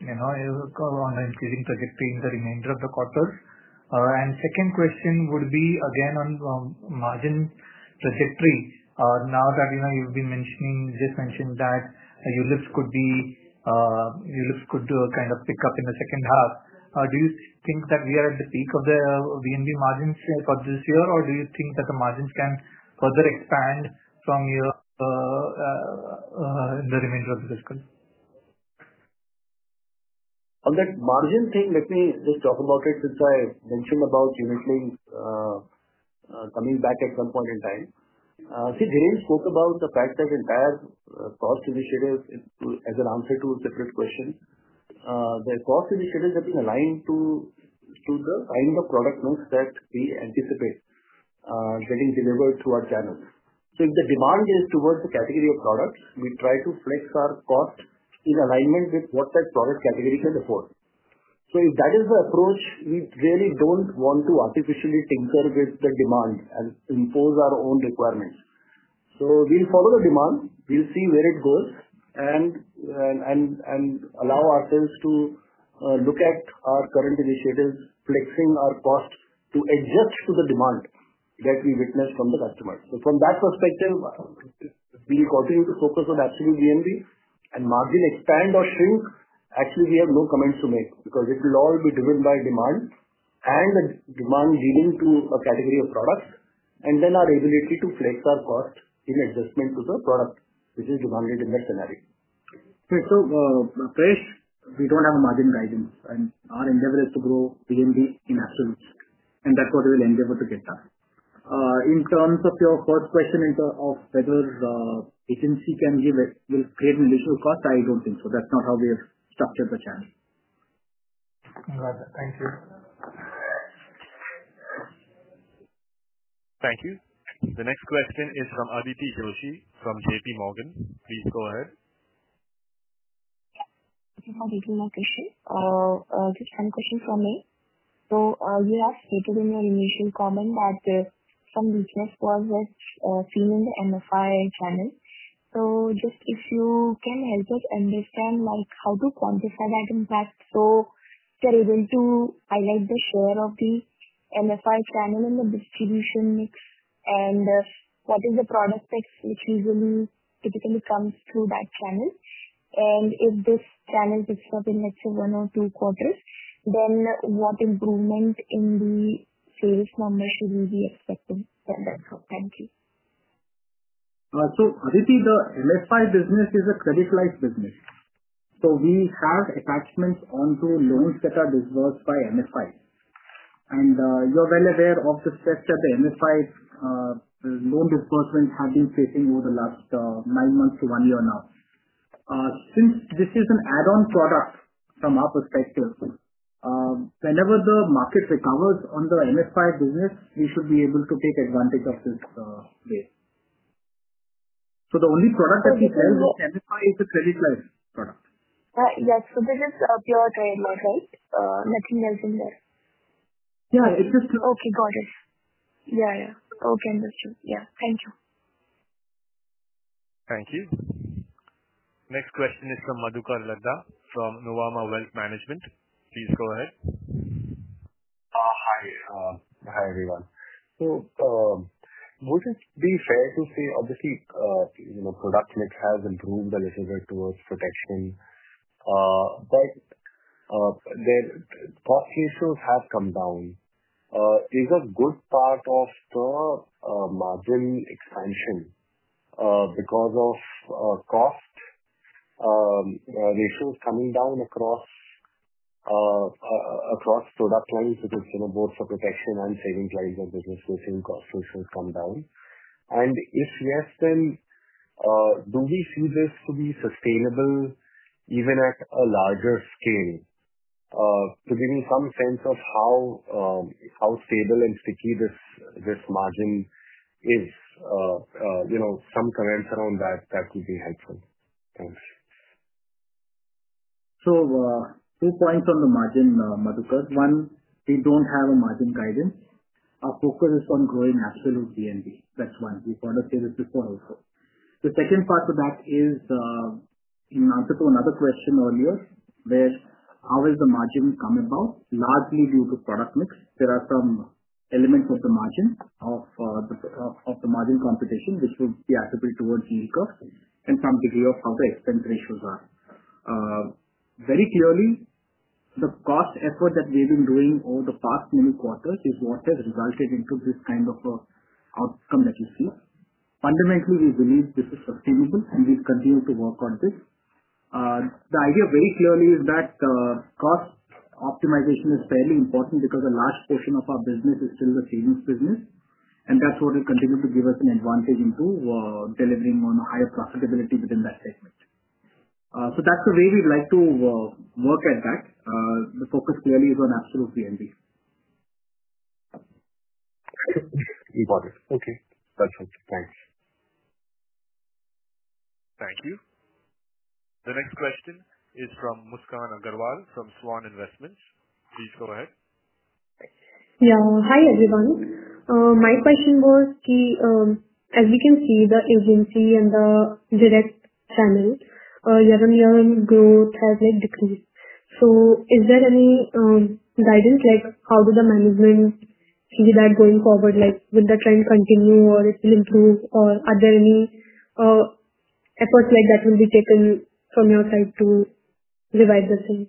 on an increasing trajectory in the remainder of the quarter? Second question would be, again, on margin trajectory. Now that you've just mentioned that ULIPs could kind of pick up in the second half, do you think that we are at the peak of the VNB margins for this year, or do you think that the margins can further expand from here in the remainder of the fiscal year? On that margin thing, let me just talk about it since I mentioned about unit link. Coming back at some point in time. See, Dhiren spoke about the fact that entire cost initiative as an answer to a separate question. The cost initiatives have been aligned to the kind of product mix that we anticipate getting delivered through our channels. If the demand is towards the category of products, we try to flex our cost in alignment with what that product category can afford. If that is the approach, we really do not want to artificially tinker with the demand and impose our own requirements. We will follow the demand. We will see where it goes and allow ourselves to look at our current initiatives, flexing our costs to adjust to the demand that we witness from the customers. From that perspective. We continue to focus on absolute VNB, and margin expand or shrink, actually, we have no comments to make because it will all be driven by demand and the demand leading to a category of products, and then our ability to flex our cost in adjustment to the product, which is demanded in that scenario. Prayesh, we do not have a margin guidance. Our endeavor is to grow VNB in absolutes. That is what we will endeavor to get done. In terms of your first question of whether agency can create an additional cost, I do not think so. That is not how we have structured the channel. Got it. Thank you. Thank you. The next question is from Aditi Joshi from J.P. Morgan. Please go ahead. This is Aditi Joshi. Just one question for me. You have stated in your initial comment that some weakness was seen in the MFI channel. Just if you can help us understand how to quantify that impact, so you're able to highlight the share of the MFI channel in the distribution mix and what is the product mix, which typically comes through that channel. If this channel picks up in, let's say, one or two quarters, then what improvement in the sales numbers should we be expecting? That's all. Thank you. Aditi, the MFI business is a credit-life business. We have attachments onto loans that are disbursed by MFI. You're well aware of the stress that the MFI loan disbursements have been facing over the last nine months to one year now. Since this is an add-on product from our perspective, whenever the market recovers on the MFI business, we should be able to take advantage of this. The only product that we sell in MFI is a credit-life product. Yes. Is this pure credit-life, right? Nothing else in there? Yeah. Okay. Got it. Yeah, yeah. Okay. Understood. Yeah. Thank you. Thank you. Next question is from Madhukar Ladha from Nuvama Wealth Management. Please go ahead. Hi. Hi, everyone. Would it be fair to say, obviously, product mix has improved a little bit towards protection. Cost ratios have come down. Is a good part of the margin expansion because of cost ratios coming down across product lines, because both for protection and savings lines and business-facing cost ratios come down. If yes, then do we see this to be sustainable even at a larger scale? Give me some sense of how stable and sticky this margin is. Some comments around that, that would be helpful. Thanks. Two points on the margin, Madhukar. One, we do not have a margin guidance. Our focus is on growing absolute VNB. That is one. We have already said it before also. The second part of that is, in answer to another question earlier, where how has the margin come about? Largely due to product mix. There are some elements of the margin, of the margin competition, which will be attributed towards unit cost and some degree of how the expense ratios are. Very clearly, the cost effort that we have been doing over the past many quarters is what has resulted into this kind of outcome that you see. Fundamentally, we believe this is sustainable, and we will continue to work on this. The idea very clearly is that cost optimization is fairly important because a large portion of our business is still the savings business, and that's what will continue to give us an advantage into delivering on a higher profitability within that segment. That is the way we'd like to work at that. The focus clearly is on absolute VNB. Got it. Got it. Okay. Perfect. Thanks. Thank you. The next question is from Muskan Agarwal from Svan Investments. Please go ahead. Yeah. Hi, everyone. My question was, as we can see, the agency and the direct channel, year on year on growth has decreased. Is there any guidance? How do the management see that going forward? Will the trend continue, or will it improve? Are there any efforts that will be taken from your side to revive the same?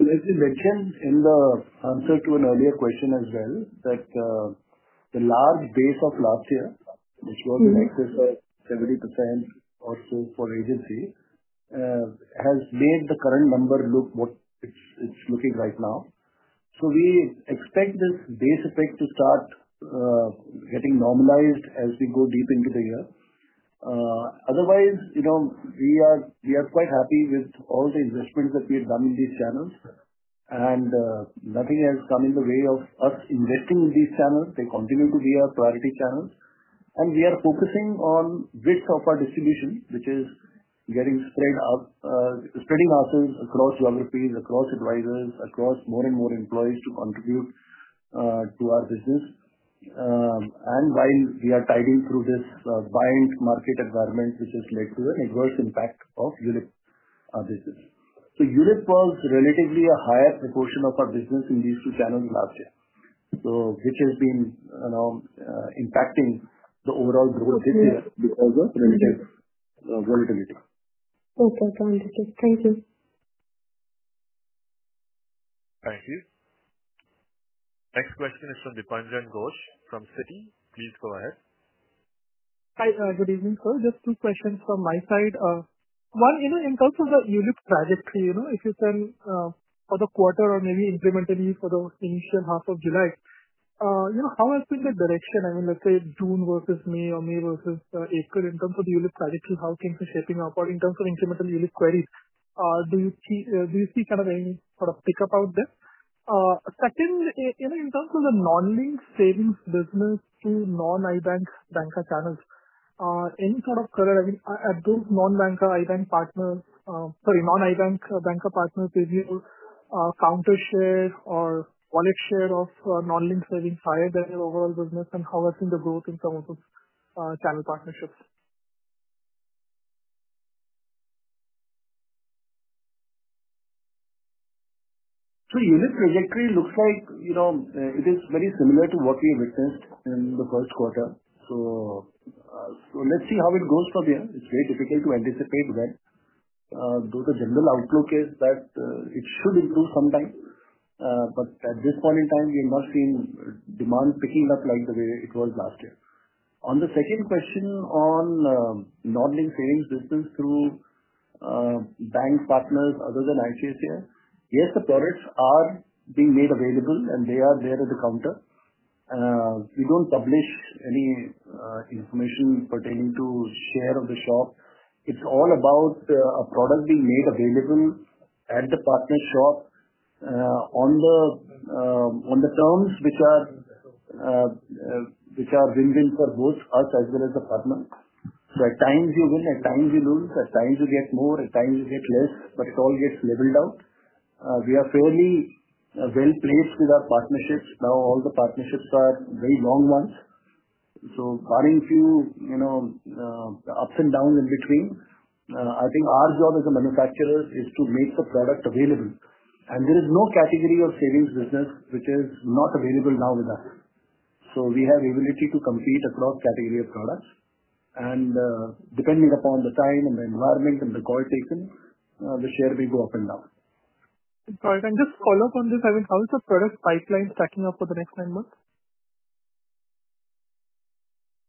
As you mentioned in the answer to an earlier question as well, that the large base of last year, which was like 70% or so for agency, has made the current number look what it's looking right now. We expect this base effect to start getting normalized as we go deep into the year. Otherwise, we are quite happy with all the investments that we have done in these channels. Nothing has come in the way of us investing in these channels. They continue to be our priority channels. We are focusing on width of our distribution, which is spreading ourselves across geographies, across advisors, across more and more employees to contribute to our business. While we are tidying through this buy and market environment, which has led to an adverse impact of unit business. Unit was relatively a higher proportion of our business in these two channels last year, which has been impacting the overall growth this year because of relative. Okay. Got it. Thank you. Thank you. Next question is from Dipanjan Ghosh from Citi. Please go ahead. Hi. Good evening, sir. Just two questions from my side. One, in terms of the unit trajectory, if you can, for the quarter or maybe incrementally for the initial half of July, how has been the direction? I mean, let's say June versus May or May versus April, in terms of the unit trajectory, how things are shaping up? I mean, in terms of incremental unit queries, do you see kind of any sort of pickup out there? Second, in terms of the non-linked savings business to non-ICICI Bank banker channels, any sort of current, I mean, at those non-ICICI Bank partners, sorry, non-ICICI Bank banker partners, is your counter share or wallet share of non-linked savings higher than your overall business? And how has been the growth in terms of channel partnerships? Unit trajectory looks like it is very similar to what we have witnessed in the first quarter. Let's see how it goes from here. It's very difficult to anticipate that. Though the general outlook is that it should improve sometime. At this point in time, we have not seen demand picking up like the way it was last year. On the second question on non-linked savings business through bank partners other than ICICI, yes, the products are being made available, and they are there at the counter. We don't publish any information pertaining to share of the shop. It's all about a product being made available at the partner shop on the terms which are win-win for both us as well as the partner. At times, you win. At times, you lose. At times, you get more. At times, you get less, but it all gets leveled out. We are fairly well placed with our partnerships. Now, all the partnerships are very long ones. Barring a few ups and downs in between, I think our job as a manufacturer is to make the product available. There is no category of savings business which is not available now with us. We have the ability to compete across category of products. Depending upon the time and the environment and the call taken, the share may go up and down. Sorry. Can I just follow up on this? I mean, how is the product pipeline stacking up for the next nine months?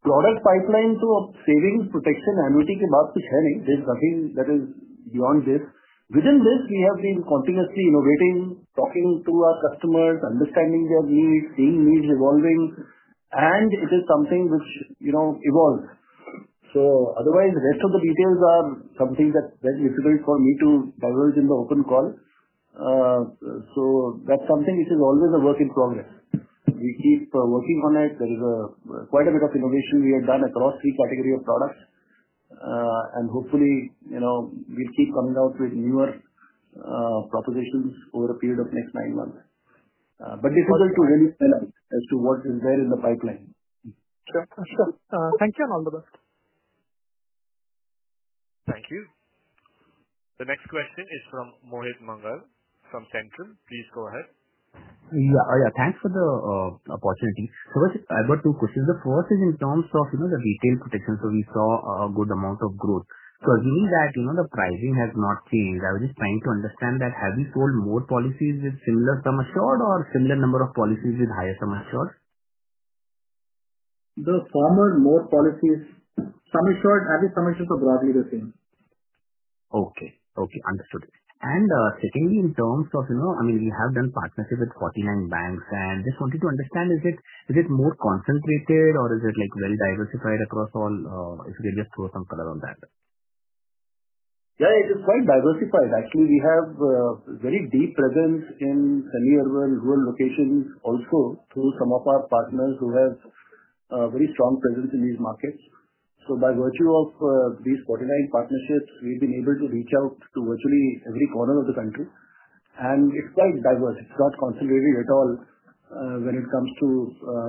Product pipeline to savings protection annuity key part, which is nothing that is beyond this. Within this, we have been continuously innovating, talking to our customers, understanding their needs, seeing needs evolving. It is something which evolves. Otherwise, the rest of the details are something that's very difficult for me to divulge in the open call. That is something which is always a work in progress. We keep working on it. There is quite a bit of innovation we have done across three categories of products. Hopefully, we will keep coming out with newer propositions over a period of next nine months. Difficult to really analyze as to what is there in the pipeline. Sure. Sure. Thank you and all the best. Thank you. The next question is from Mohit Mangal from Centrum. Please go ahead. Yeah. Yeah. Thanks for the opportunity. I have got two questions. The first is in terms of the retail protection. We saw a good amount of growth. Assuming that the pricing has not changed, I was just trying to understand, have we sold more policies with similar sum assured or a similar number of policies with higher sum assured? The former, more policies, sum assured, have we sum assured for broadly the same. Okay. Okay. Understood. Secondly, in terms of, I mean, we have done partnership with 49 banks. I just wanted to understand, is it more concentrated or is it well diversified across all? If you can just throw some color on that. Yeah, it is quite diversified. Actually, we have a very deep presence in semi-urban, rural locations also through some of our partners who have a very strong presence in these markets. By virtue of these 49 partnerships, we've been able to reach out to virtually every corner of the country. It's quite diverse. It's not concentrated at all when it comes to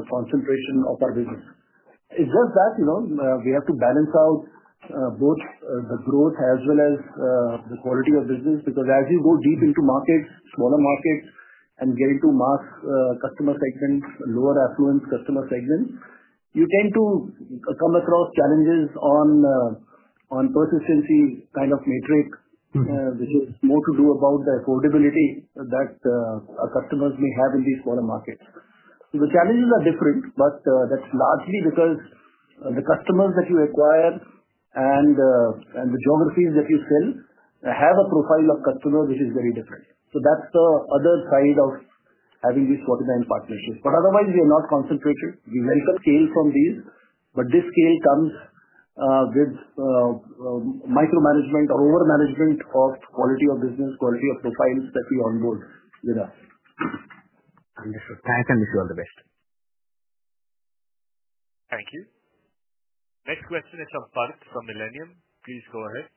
concentration of our business. We have to balance out both the growth as well as the quality of business. Because as you go deep into markets, smaller markets, and get into mass customer segments, lower affluence customer segments, you tend to come across challenges on persistency kind of metric, which has more to do about the affordability that customers may have in these smaller markets. The challenges are different, but that's largely because the customers that you acquire and the geographies that you sell have a profile of customers which is very different. That's the other side of having these 49 partnerships. Otherwise, we are not concentrated. We welcome scale from these. This scale comes with micromanagement or over-management of quality of business, quality of profiles that we onboard with us. Understood. Thank you. Wish you all the best. Thank you. Next question is from Faruk from Millennium. Please go ahead.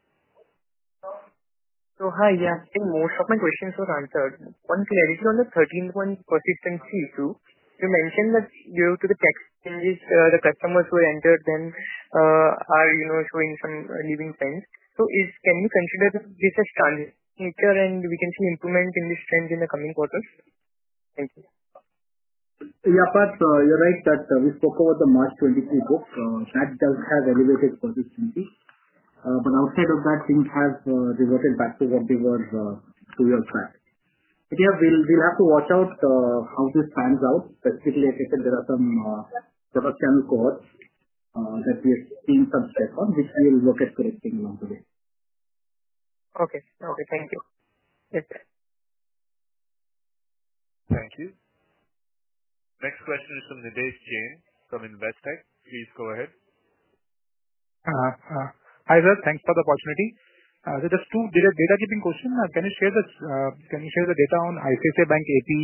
Hi. Yeah. I think most of my questions were answered. One clarity on the 13-month persistency issue. You mentioned that due to the tax changes, the customers who entered then are showing some leaving trends. Can you consider this a strong feature, and can we see improvement in this trend in the coming quarters? Thank you. Yeah. You are right that we spoke about the March 2023 book. That does have elevated persistency. Outside of that, things have reverted back to what they were two years back. Yeah. We will have to watch out how this pans out. Specifically, as I said, there are some product channel cohorts that we have seen some step on, which we will look at correcting along the way. Okay. Thank you. Yes. Thank you. Next question is from Nidhesh Jain from Investec. Please go ahead. Hi there. Thanks for the opportunity. Just two data-keeping questions. Can you share the data on ICICI Bank APE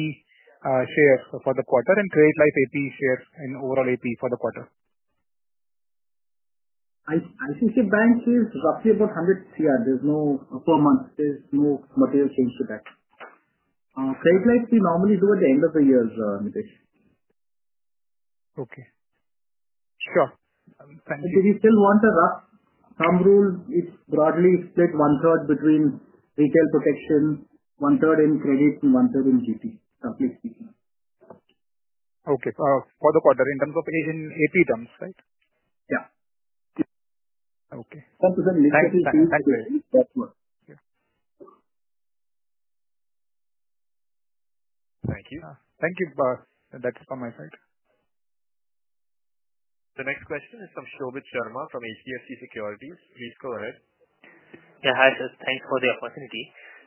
shares for the quarter and Credit Life APE shares and overall APE for the quarter? ICICI Bank is roughly about 100 crore. There's no per month. There's no material change to that. Credit-life, we normally do at the end of the year, Nidhesh. Okay. Sure. Thank you. We still want a rough thumb rule. It's broadly split one-third between retail protection, one-third in credit, and one-third in GT, simply speaking. Okay. For the quarter, in terms of APE terms, right? Yeah. Okay. 10%. That's what. Thank you. Thank you. That's from my side. The next question is from Shobhit Sharma from HDFC Securities. Please go ahead. Yeah. Hi, sir. Thanks for the opportunity.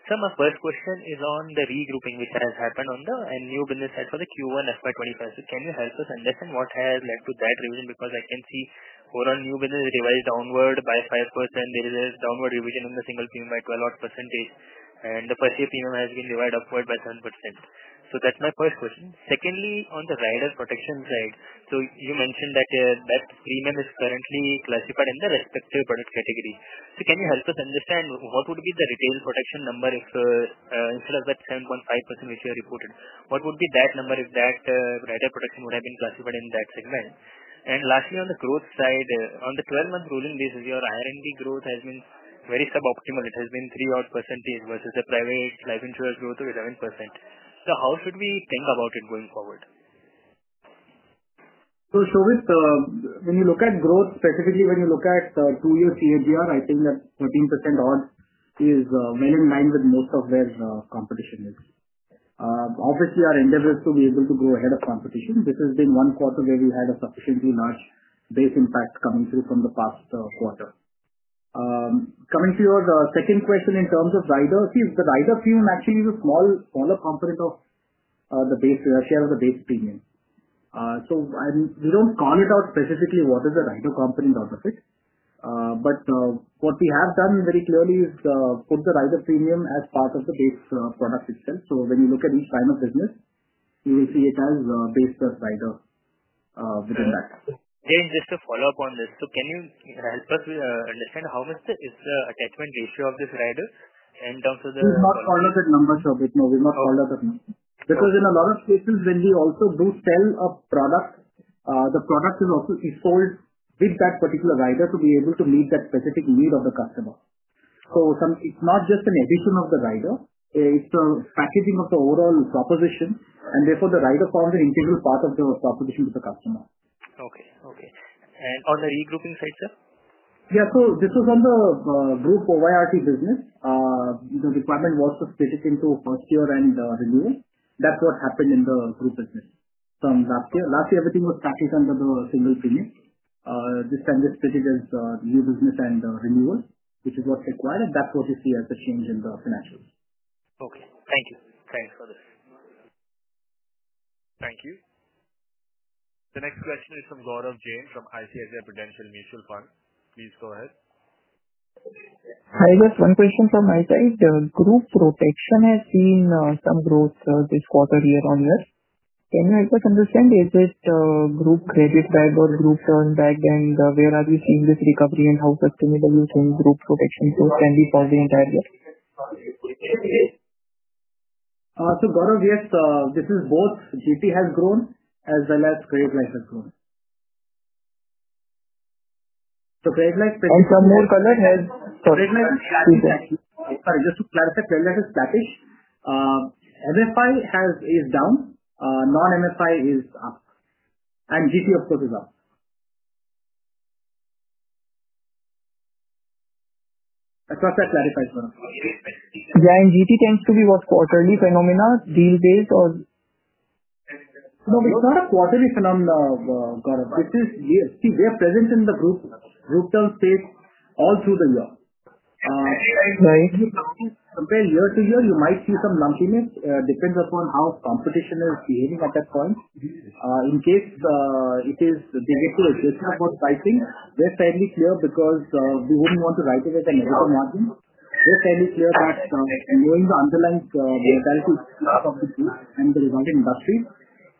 Sir, my first question is on the regrouping which has happened on the new business side for the Q1 FY 2025. Can you help us understand what has led to that revision? Because I can see overall new business is revised downward by 5%. There is a downward revision in the single premium by 12-odd %. The first-year premium has been revised upward by 7%. That is my first question. Secondly, on the rider protection side, you mentioned that that premium is currently classified in the respective product category. Can you help us understand what would be the retail protection number if instead of that 7.5% which you reported, what would be that number if that rider protection would have been classified in that segment? Lastly, on the growth side, on the 12-month rolling basis, your R&D growth has been very suboptimal. It has been 3-odd % versus the private life insurers' growth of 11%. How should we think about it going forward? Shobhit, twhen you look at growth, specifically when you look at two-year CAGR, I think that 13% odd is well in line with most of where competition is. Obviously, our endeavor is to be able to grow ahead of competition. This has been one quarter where we had a sufficiently large base impact coming through from the past quarter. Coming to your second question in terms of rider fees, the rider premium actually is a smaller component of the base share of the base premium. We do not call it out specifically what is the rider component out of it. What we have done very clearly is put the rider premium as part of the base product itself. When you look at each line of business, you will see it as based on rider within that. Dhiren, just to follow up on this, can you help us understand how much is the attachment ratio of this rider in terms of the? We've not followed that number, Shobhit. No, we've not followed that number. Because in a lot of cases, when we also do sell a product, the product is also sold with that particular rider to be able to meet that specific need of the customer. It is not just an addition of the rider. It is a packaging of the overall proposition. Therefore, the rider forms an integral part of the proposition to the customer. Okay. Okay. On the regrouping side, sir? Yeah. This was on the group OYRT business. The requirement was to split it into first-year and renewal. That's what happened in the group business. From last year, everything was packaged under the single premium. This time we split it as new business and renewal, which is what's required. That's what you see as the change in the financials. Okay. Thank you. Thanks for this. Thank you. The next question is from Gaurav Jain from ICICI Prudential Mutual Fund. Please go ahead. Hi, just one question from my side. Group protection has seen some growth this quarter year on year. Can you help us understand, is it group credit back or group term back? And where are we seeing this recovery? How sustainable do you think group protection growth can be for the entire year? Gaurav, yes, this is both GT has grown as well as Credit Life has grown. Credit Life. And some more color has Credit Life. Sorry. Just to clarify, Credit Life is flat-ish. MFI is down. Non-MFI is up. GT, of course, is up. I thought that clarifies one of them. Yeah. GT tends to be what? Quarterly phenomena, deal-based or? No, it's not a quarterly phenomenon, Gaurav. See, they are present in the group term space all through the year. If you compare year to year, you might see some lumpiness. It depends upon how competition is behaving at that point. In case they get to a decision about pricing, we're fairly clear because we wouldn't want to write it as a negative margin. We're fairly clear that knowing the underlying mentality of the group and the resulting industry,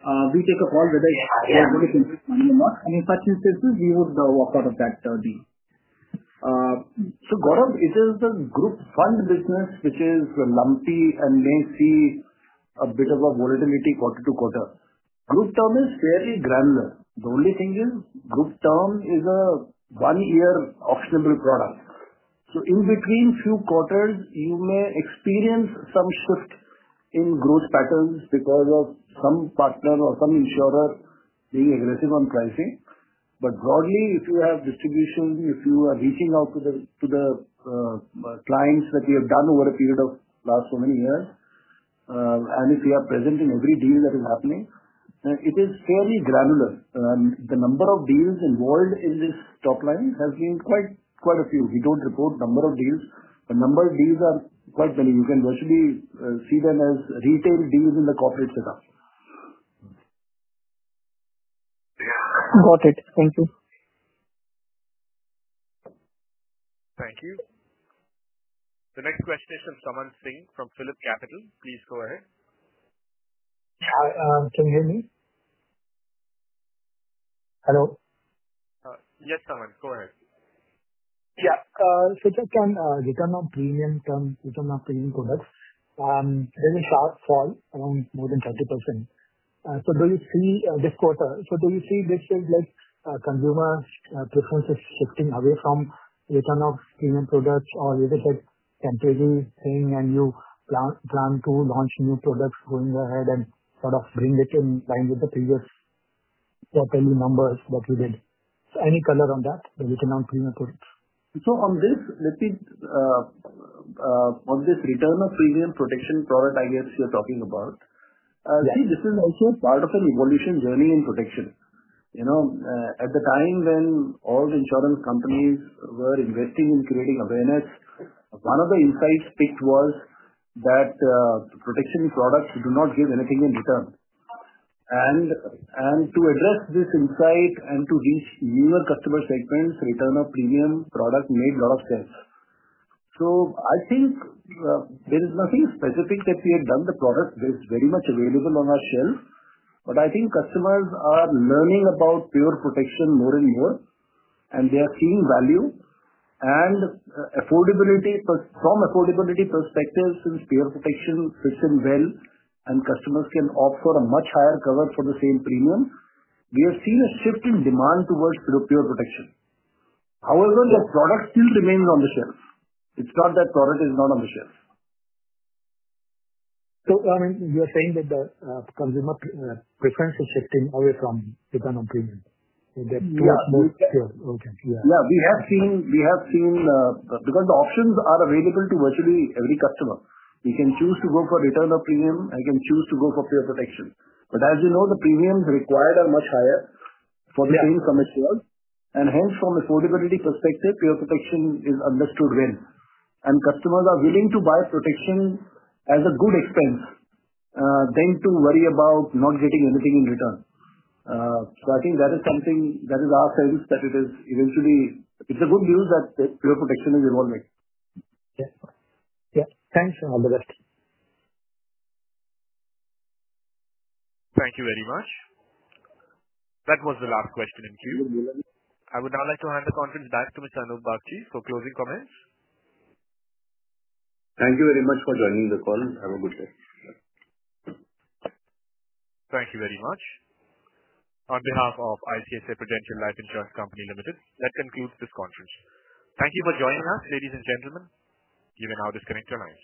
we take a call whether they want to contribute money or not. In such instances, we would walk out of that deal. Gaurav, it is the group fund business which is lumpy and may see a bit of volatility quarter to quarter. Group term is fairly granular. The only thing is group term is a one-year optionable product. In between few quarters, you may experience some shift in growth patterns because of some partner or some insurer being aggressive on pricing. Broadly, if you have distribution, if you are reaching out to the clients that you have done over a period of last so many years, and if you are present in every deal that is happening, it is fairly granular. The number of deals involved in this top line has been quite a few. We do not report number of deals, but number of deals are quite many. You can virtually see them as retail deals in the corporate setup. Got it. Thank you. Thank you. The next question is from Samant Singh from PhillipCapital. Please go ahead. Can you hear me? Hello. Yes, Samant. Go ahead. Yeah. Just on return on premium products, there is a sharp fall, around more than 30%. Do you see this quarter, do you see this as consumer preferences shifting away from return on premium products, or is it a temporary thing and you plan to launch new products going ahead and sort of bring it in line with the previous quarterly numbers that you did? Any color on that, the return on premium products? On this return on premium protection product, I guess you are talking about, see, this is also part of an evolution journey in protection. At the time when all the insurance companies were investing in creating awareness, one of the insights picked was that protection products do not give anything in return. To address this insight and to reach newer customer segments, return on premium product made a lot of sense. I think there is nothing specific that we had done. The product was very much available on our shelf. I think customers are learning about pure protection more and more, and they are seeing value. From an affordability perspective, since pure protection fits in well and customers can opt for a much higher cover for the same premium, we have seen a shift in demand towards pure protection. However, the product still remains on the shelf. It is not that the product is not on the shelf. I mean, you are saying that the consumer preference is shifting away from return on premium? That is too small? Yeah. Okay. Yeah. We have seen, because the options are available to virtually every customer. You can choose to go for return on premium. I can choose to go for pure protection. As you know, the premiums required are much higher for the same commercials. Hence, from an affordability perspective, pure protection is understood well, and customers are willing to buy protection as a good expense than to worry about not getting anything in return. I think that is something that is our sense, that eventually it is good news that pure protection is evolving. Yeah. Yeah. Thanks. All the best. Thank you very much. That was the last question in queue. I would now like to hand the conference back to Mr. Anup Bagchi for closing comments. Thank you very much for joining the call. Have a good day. Thank you very much. On behalf of ICICI Prudential Life Insurance Company Limited, that concludes this conference. Thank you for joining us, ladies and gentlemen, given how this connected our lives.